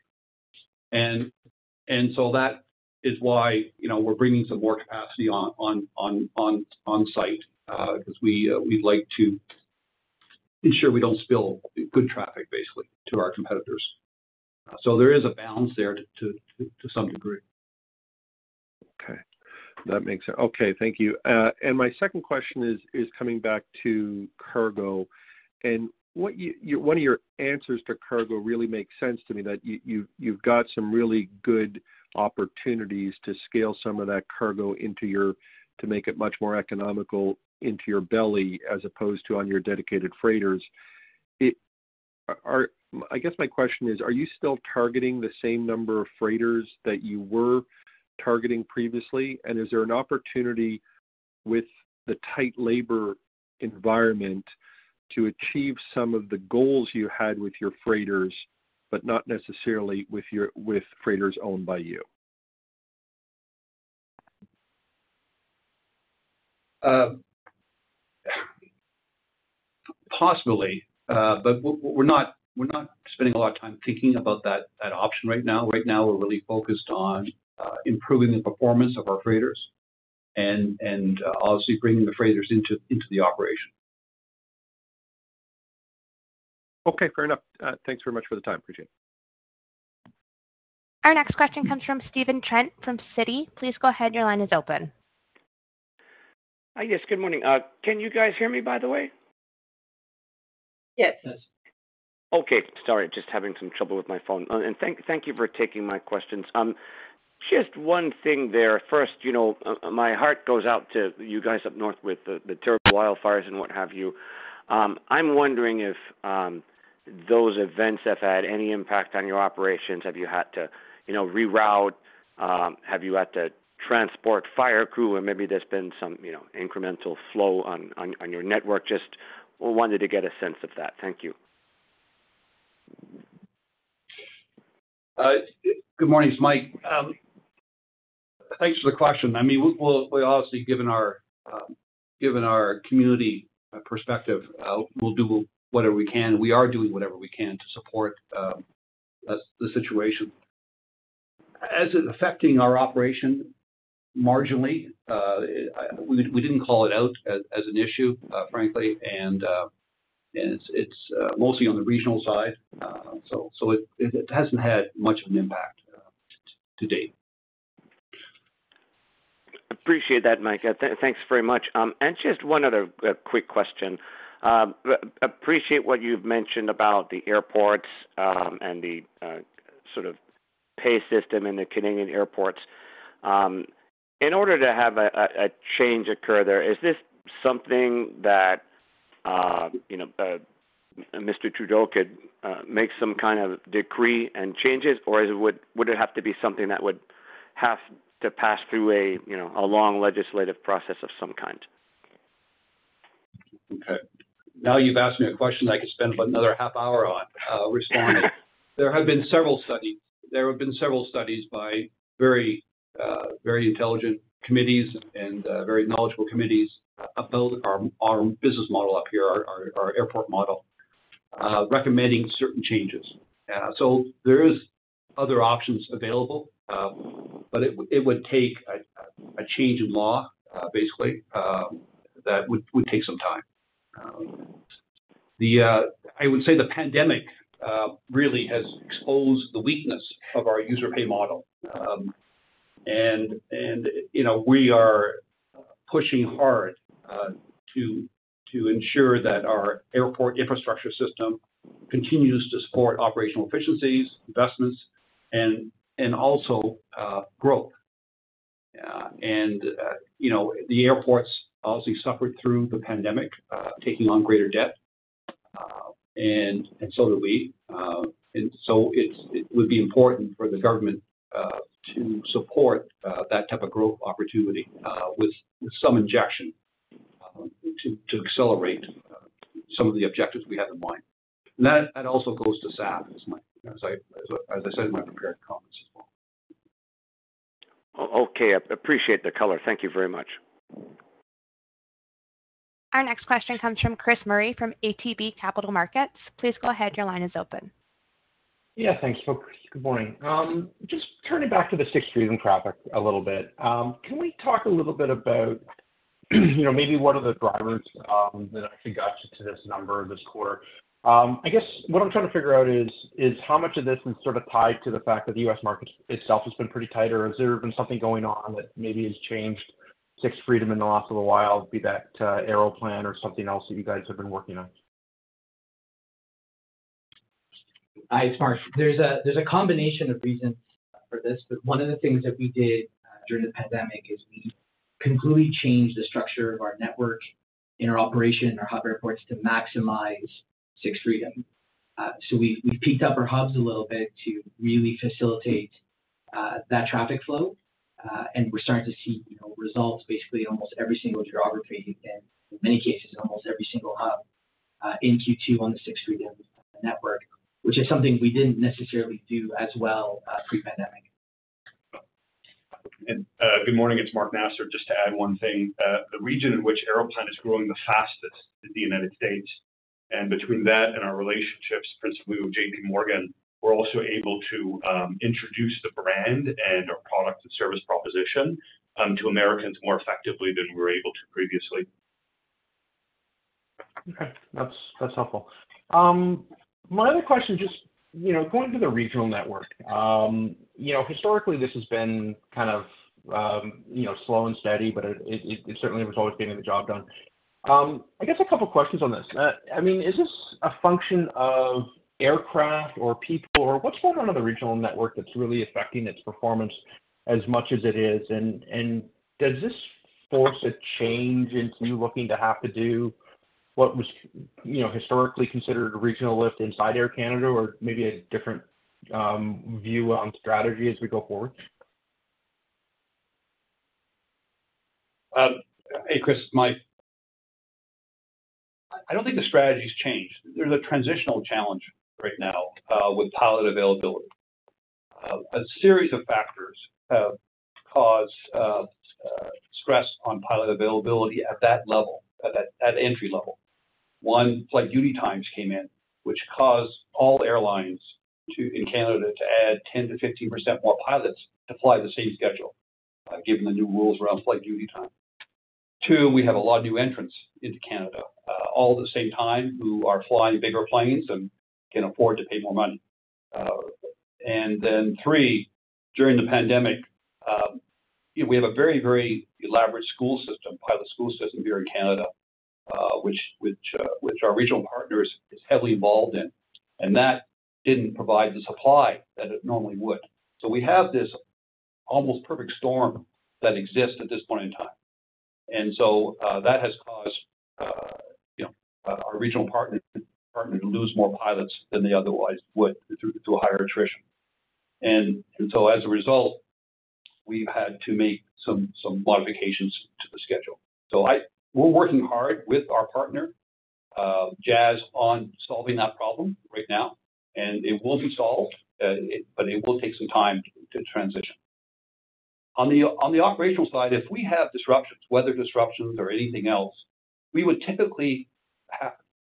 Speaker 3: That is why, you know, we're bringing some more capacity on, on, on, on, on site, because we'd like to ensure we don't spill good traffic, basically, to our competitors. There is a balance there to, to, to some degree.
Speaker 10: Okay. That makes sense. Okay, thank you. My second question is, is coming back to cargo. One of your answers to cargo really makes sense to me, that you, you, you've got some really good opportunities to scale some of that cargo into your, to make it much more economical into your belly, as opposed to on your dedicated freighters. I guess my question is: Are you still targeting the same number of freighters that you were targeting previously? Is there an opportunity with the tight labor environment to achieve some of the goals you had with your freighters, but not necessarily with your, with freighters owned by you?
Speaker 3: Possibly, we're not, we're not spending a lot of time thinking about that, that option right now. Right now, we're really focused on improving the performance of our freighters and obviously bringing the freighters into, into the operation.
Speaker 10: Okay, fair enough. Thanks very much for the time. Appreciate it.
Speaker 1: Our next question comes from Stephen Trent from Citi. Please go ahead, your line is open.
Speaker 11: Hi, yes, good morning. Can you guys hear me, by the way?
Speaker 3: Yes, yes.
Speaker 11: Okay. Sorry, just having some trouble with my phone. Thank, thank you for taking my questions. Just one thing there. First, you know, my heart goes out to you guys up north with the, the terrible wildfires and what have you. I'm wondering if those events have had any impact on your operations. Have you had to, you know, reroute? Have you had to transport fire crew, and maybe there's been some, you know, incremental flow on, on, on your network? Just wanted to get a sense of that. Thank you.
Speaker 3: Good morning. It's Michael. Thanks for the question. I mean, we, we'll, we obviously, given our, given our community perspective, we'll do whatever we can. We are doing whatever we can to support, as the situation. As it affecting our operation, marginally. We, we didn't call it out as, as an issue, frankly, and it's, it's, mostly on the regional side. So it, it hasn't had much of an impact, to date.
Speaker 11: Appreciate that, Michael. thanks very much. Just one other, quick question. appreciate what you've mentioned about the airports, and the, sort of pay system in the Canadian airports. In order to have a change occur there, is this something that, you know, Mr. Trudeau could, make some kind of decree and change it, or is it would it have to be something that would have to pass through a, you know, a long legislative process of some kind?
Speaker 3: Okay. Now you've asked me a question I could spend about another half hour on, responding. There have been several studies by very, very intelligent committees and, very knowledgeable committees about our, our business model up here, our, our, our airport model, recommending certain changes. There is other options available, but it, it would take a, a change in law, basically, that would, would take some time. I would say the pandemic, really has exposed the weakness of our user pay model. You know, we are pushing hard, to, to ensure that our airport infrastructure system continues to support operational efficiencies, investments, also, growth. you know, the airports obviously suffered through the pandemic, taking on greater debt, and, and so did we. It would be important for the government to support that type of growth opportunity with, with some injection to accelerate some of the objectives we have in mind. That, that also goes to SAF, as I said in my prepared comments as well.
Speaker 11: Oh, okay, I appreciate the color. Thank you very much.
Speaker 1: Our next question comes from Chris Murray from ATB Capital Markets. Please go ahead. Your line is open.
Speaker 12: Yeah, thanks, folks. Good morning. Just turning back to the sixth freedom traffic a little bit. Can we talk a little bit about, you know, maybe what are the drivers that actually got you to this number this quarter? I guess what I'm trying to figure out is, is how much of this is sort of tied to the fact that the U.S. market itself has been pretty tighter? Has there been something going on that maybe has changed sixth freedom in the last little while, be that Aeroplan or something else that you guys have been working on?
Speaker 4: Hi, it's Mark. There's a, there's a combination of reasons for this, but one of the things that we did, during the pandemic is we completely changed the structure of our network, interoperation, our hub airports to maximize sixth freedom. We've, we've peaked up our hubs a little bit to really facilitate that traffic flow. We're starting to see, you know, results, basically almost every single geography, in many cases, almost every single hub, in Q2 on the sixth freedom network. Which is something we didn't necessarily do as well, pre-pandemic.
Speaker 13: Good morning, it's Mark Nasr. Just to add one thing. The region in which Aeroplan is growing the fastest is the United States. Between that and our relationships, principally with JPMorgan, we're also able to introduce the brand and our product and service proposition to Americans more effectively than we were able to previously.
Speaker 12: Okay. That's, that's helpful. My other question, just, you know, going to the regional network. You know, historically, this has been kind of, you know, slow and steady, but it, it, it certainly was always getting the job done. I guess a couple of questions on this. I mean, is this a function of aircraft or people, or what's going on in the regional network that's really affecting its performance as much as it is? Does this force a change into you looking to have to do what was, you know, historically considered a regional lift inside Air Canada or maybe a different, view on strategy as we go forward?
Speaker 3: Hey, Chris, Michael. I don't think the strategy has changed. There's a transitional challenge right now with pilot availability. A series of factors have caused stress on pilot availability at that level, at that, at entry level. One, flight duty time came in, which caused all airlines to, in Canada, to add 10%-15% more pilots to fly the same schedule, given the new rules around flight duty time. Two, we have a lot of new entrants into Canada, all at the same time who are flying bigger planes and can afford to pay more money. Three, during the pandemic, we have a very, very elaborate school system, pilot school system here in Canada, which, which, which our regional partners is heavily involved in, and that didn't provide the supply that it normally would. We have this almost perfect storm that exists at this point in time. That has caused, you know, our regional partner, partner to lose more pilots than they otherwise would through, through a higher attrition. As a result, we've had to make some, some modifications to the schedule. We're working hard with our partner, Jazz, on solving that problem right now, and it will be solved, but it will take some time to transition. On the operational side, if we have disruptions, weather disruptions or anything else, we would typically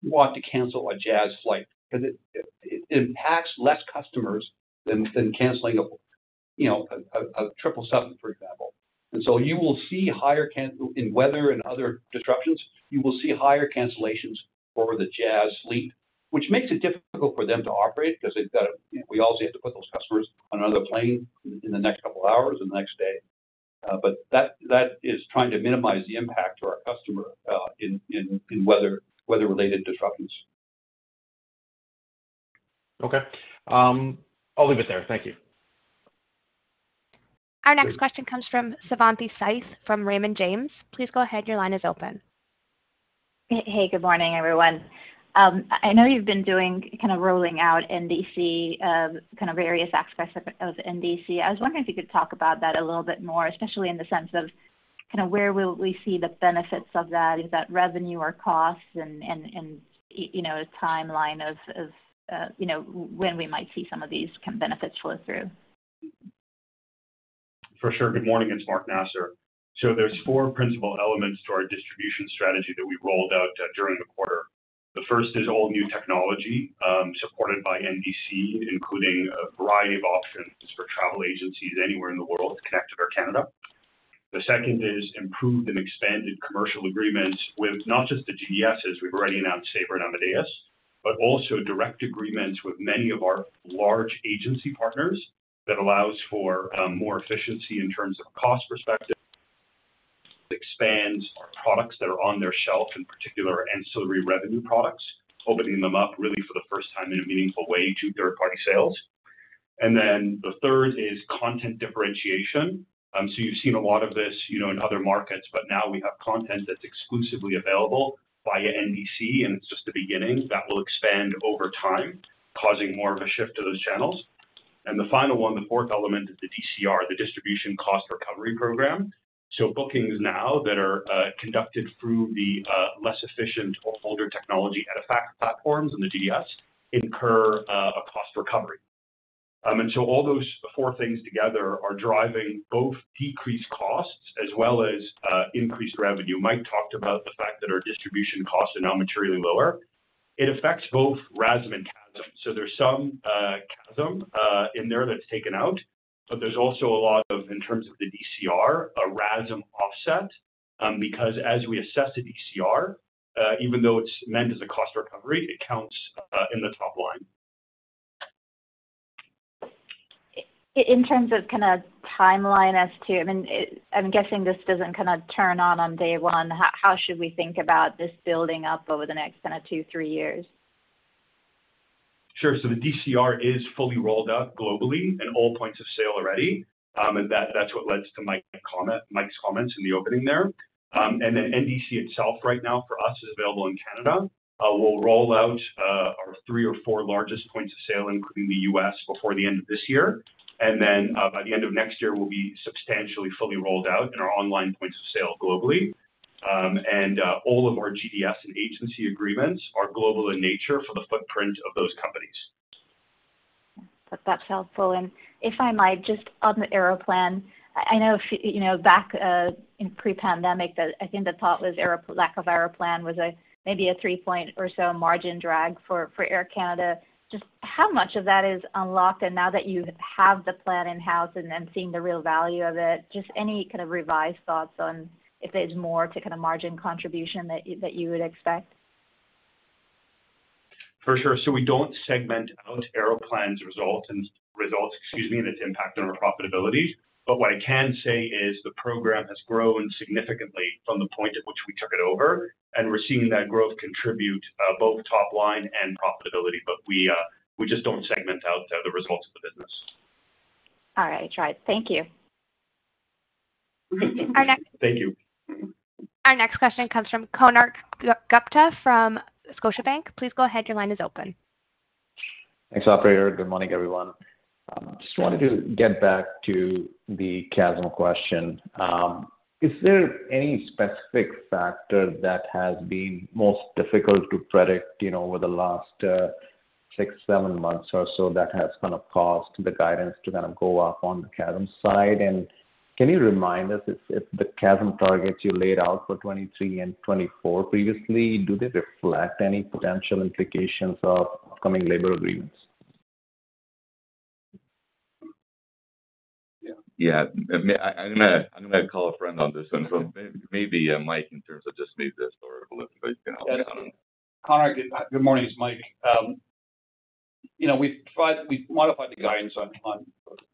Speaker 3: want to cancel a Jazz flight because it, it impacts less customers than, than canceling a, you know, a Triple Seven, for example. You will see higher in weather and other disruptions, you will see higher cancellations over the Jazz fleet, which makes it difficult for them to operate because they've got to. We also have to put those customers on another plane in the next couple of hours or the next day. That, that is trying to minimize the impact to our customer, in, in, in weather, weather-related disruptions.
Speaker 12: Okay. I'll leave it there. Thank you.
Speaker 1: Our next question comes from Savanthi Syth from Raymond James. Please go ahead. Your line is open.
Speaker 14: Hey, good morning, everyone. I know you've been doing, kind of rolling out NDC, kind of various aspects of NDC. I was wondering if you could talk about that a little bit more, especially in the sense of kind of where will we see the benefits of that? Is that revenue or costs? You know, a timeline of, you know, when we might see some of these benefits flow through.
Speaker 13: For sure. Good morning, it's Mark Nasr. There's four principal elements to our distribution strategy that we rolled out during the quarter. The first is all new technology, supported by NDC, including a variety of options for travel agencies anywhere in the world connected to Air Canada. The second is improved and expanded commercial agreements with not just the GDSs, we've already announced Sabre and Amadeus, but also direct agreements with many of our large agency partners that allows for more efficiency in terms of cost perspective, expands our products that are on their shelf, in particular, ancillary revenue products, opening them up really for the first time in a meaningful way to third-party sales. The third is content differentiation. You've seen a lot of this, you know, in other markets, but now we have content that's exclusively available via NDC, and it's just the beginning. That will expand over time, causing more of a shift to those channels. The final one, the fourth element, is the DCR, the Distribution Cost Recovery program. Bookings now that are conducted through the less efficient or older technology out of fact platforms and the GDS incur a cost recovery. All those four things together are driving both decreased costs as well as increased revenue. Michael talked about the fact that our distribution costs are now materially lower. It affects both RASM and CASM. There's some CASM in there that's taken out, but there's also a lot of, in terms of the DCR, a RASM offset, because as we assess the DCR, even though it's meant as a cost recovery, it counts in the top line.
Speaker 14: In terms of kind of timeline as to, I mean, I'm guessing this doesn't kind of turn on on Day 1. How should we think about this building up over the next kind of two to three years?
Speaker 13: Sure. The DCR is fully rolled out globally at all points of sale already, and that, that's what led to Michael's comments in the opening there. NDC itself right now for us, is available in Canada. We'll roll out our three or four largest points of sale, including the U.S., before the end of this year. By the end of next year, we'll be substantially fully rolled out in our online points of sale globally. All of our GDS and agency agreements are global in nature for the footprint of those companies.
Speaker 14: That's helpful. If I might, just on the Aeroplan, I know if, you know, back in pre-pandemic, that I think the thought was lack of Aeroplan was a maybe a 3-point or so margin drag for, for Air Canada. Just how much of that is unlocked, and now that you have the plan in-house and then seeing the real value of it, just any kind of revised thoughts on if there's more to kind of margin contribution that you, that you would expect?
Speaker 13: For sure. We don't segment out Aeroplan's results and - results, excuse me, and its impact on our profitability. What I can say is the program has grown significantly from the point at which we took it over, and we're seeing that growth contribute, both top line and profitability. We, we just don't segment out the results of the business.
Speaker 14: All right, I tried. Thank you.
Speaker 1: Our next-
Speaker 13: Thank you.
Speaker 1: Our next question comes from Konark Gupta from Scotiabank. Please go ahead, your line is open.
Speaker 15: Thanks, operator. Good morning, everyone. Just wanted to get back to the CASM question. Is there any specific factor that has been most difficult to predict, you know, over the last six, seven months or so, that has kind of caused the guidance to kind of go up on the CASM side? Can you remind us if, if the CASM targets you laid out for 2023 and 2024 previously, do they reflect any potential implications of upcoming labor agreements?
Speaker 5: Yeah. Yeah, I, I'm gonna, I'm gonna call a friend on this one. maybe, Michael, in terms of just move this or a little bit, but, you know.
Speaker 3: Konark, good, good morning. It's Michael. You know, we've modified the guidance on, on,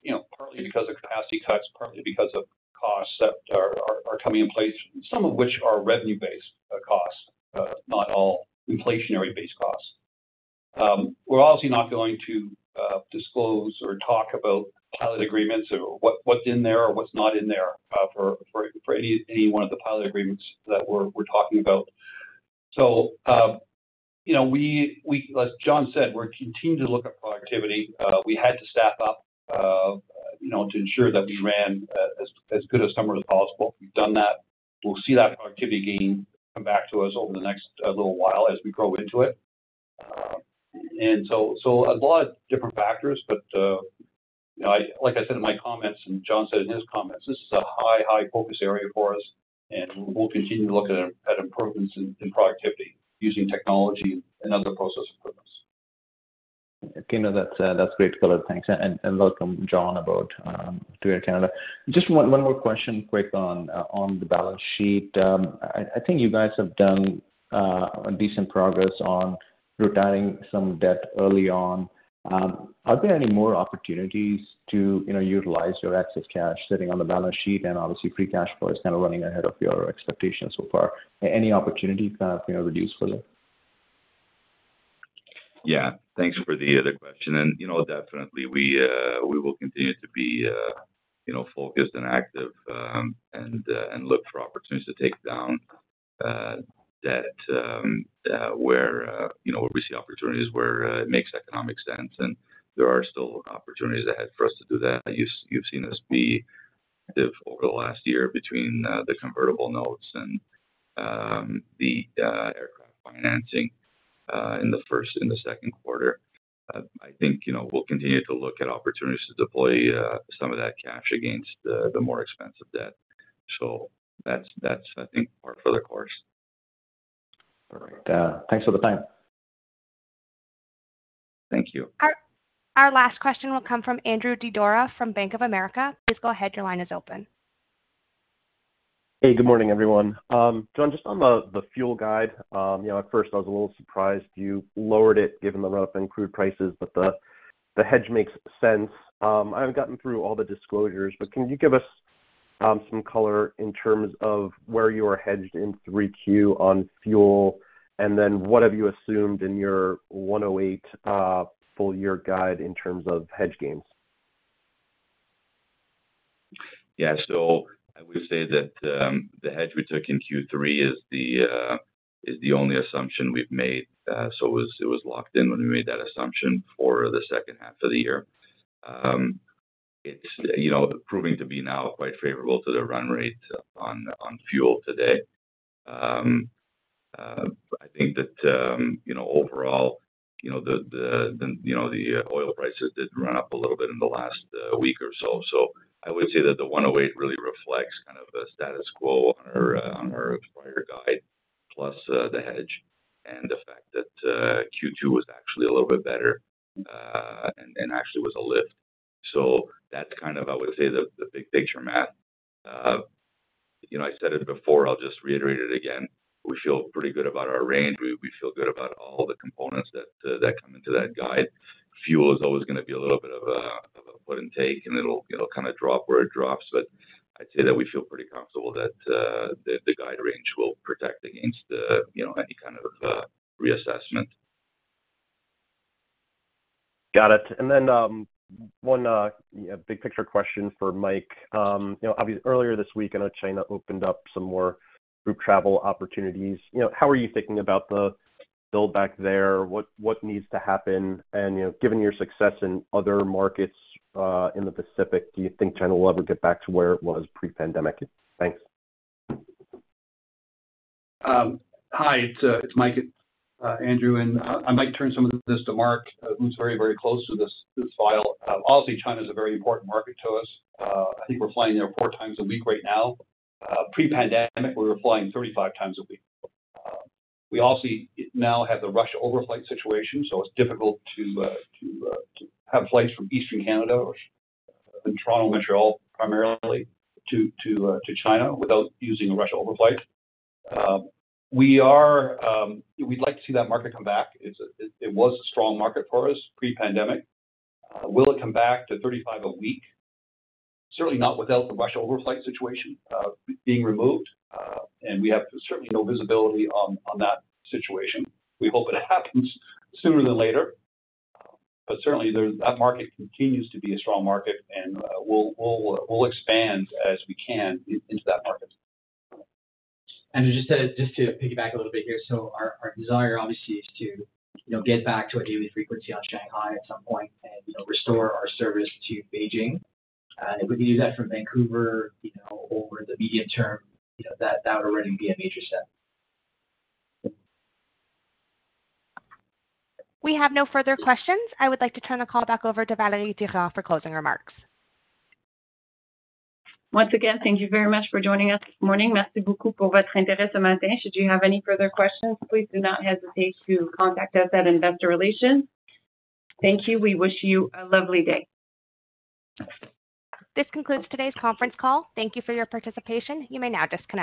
Speaker 3: you know, partly because of capacity cuts, partly because of costs that are, are, are coming in place, some of which are revenue-based, costs, not all inflationary-based costs. We're obviously not going to disclose or talk about pilot agreements or what, what's in there or what's not in there, for, for, for any, any one of the pilot agreements that we're, we're talking about. You know, as John said, we're continuing to look at productivity. We had to staff up, you know, to ensure that we ran, as, as good a summer as possible. We've done that. We'll see that productivity gain come back to us over the next little while as we grow into it. A lot of different factors, but, you know, like I said in my comments and John said in his comments, this is a high, high focus area for us, and we'll continue to look at, at improvements in, in productivity using technology and other process improvements.
Speaker 15: Okay, no, that's that's great color. Thanks. Welcome, John, to Air Canada. Just one more question, quick on the balance sheet. I think you guys have done a decent progress on retiring some debt early on. Are there any more opportunities to, you know, utilize your excess cash sitting on the balance sheet? Obviously, free cash flow is kind of running ahead of your expectations so far. Any opportunity to kind of reduce further?
Speaker 5: Yeah. Thanks for the question. You know, definitely we will continue to be, you know, focused and active, and look for opportunities to take down debt, where, you know, where we see opportunities, where it makes economic sense, and there are still opportunities ahead for us to do that. You've, you've seen us be active over the last year between the convertible notes and the aircraft financing in the first and the second quarter. I think, you know, we'll continue to look at opportunities to deploy some of that cash against the more expensive debt. That's, that's, I think, par for the course.
Speaker 15: All right. Thanks for the time.
Speaker 5: Thank you.
Speaker 1: Our last question will come from Andrew Didora, from Bank of America. Please go ahead, your line is open.
Speaker 16: Hey, good morning, everyone. John, just on the, the fuel guide, you know, at first I was a little surprised you lowered it given the run up in crude prices, the, the hedge makes sense. I haven't gotten through all the disclosures, can you give us some color in terms of where you are hedged in 3Q on fuel? Then what have you assumed in your 108 full year guide in terms of hedge gains?
Speaker 5: I would say that the hedge we took in Q3 is the only assumption we've made. It was locked in when we made that assumption for the second half of the year. It's, you know, proving to be now quite favorable to the run rate on fuel today. I think that, you know, overall, you know, oil prices did run up a little bit in the last week or so. I would say that the 108 really reflects kind of the status quo on our on our prior guide, plus the hedge and the fact that Q2 was actually a little bit better and actually was a lift. That's kind of, I would say, the, the big picture, Matt. You know, I said it before, I'll just reiterate it again, we feel pretty good about our range. We, we feel good about all the components that come into that guide. Fuel is always gonna be a little bit of a, of a give and take, and it'll, it'll kind of drop where it drops. I'd say that we feel pretty comfortable that the, the guide range will protect against the, you know, any kind of, reassessment.
Speaker 16: Got it. One yeah, big picture question for Mike. You know, obvious earlier this week, I know China opened up some more group travel opportunities. You know, how are you thinking about the build back there? What, what needs to happen? You know, given your success in other markets, in the Pacific, do you think China will ever get back to where it was pre-pandemic? Thanks.
Speaker 3: Hi, it's Michael, Andrew, and I, I might turn some of this to Mark, who's very, very close to this, this file. Obviously, China is a very important market to us. I think we're flying there four times a week right now. Pre-pandemic, we were flying 35 times a week. We also now have the Russia overflight situation, so it's difficult to, to have flights from Eastern Canada, from Toronto, Montreal, primarily, to, to China, without using a Russia overflight. We are, we'd like to see that market come back. It was a strong market for us pre-pandemic. Will it come back to 35 a week? Certainly not without the Russia overflight situation, being removed, and we have certainly no visibility on, on that situation. We hope it happens sooner than later, but certainly there, that market continues to be a strong market, and, we'll, we'll, we'll expand as we can into that market.
Speaker 4: Just to, just to piggyback a little bit here, our, our desire obviously is to, you know, get back to a daily frequency on Shanghai at some point and, you know, restore our service to Beijing. If we can do that from Vancouver, you know, over the medium term, you know, that, that would already be a major step.
Speaker 1: We have no further questions. I would like to turn the call back over to Valerie Durand for closing remarks.
Speaker 2: Once again, thank you very much for joining us this morning. Should you have any further questions, please do not hesitate to contact us at Investor Relations. Thank you. We wish you a lovely day.
Speaker 1: This concludes today's conference call. Thank you for your participation. You may now disconnect.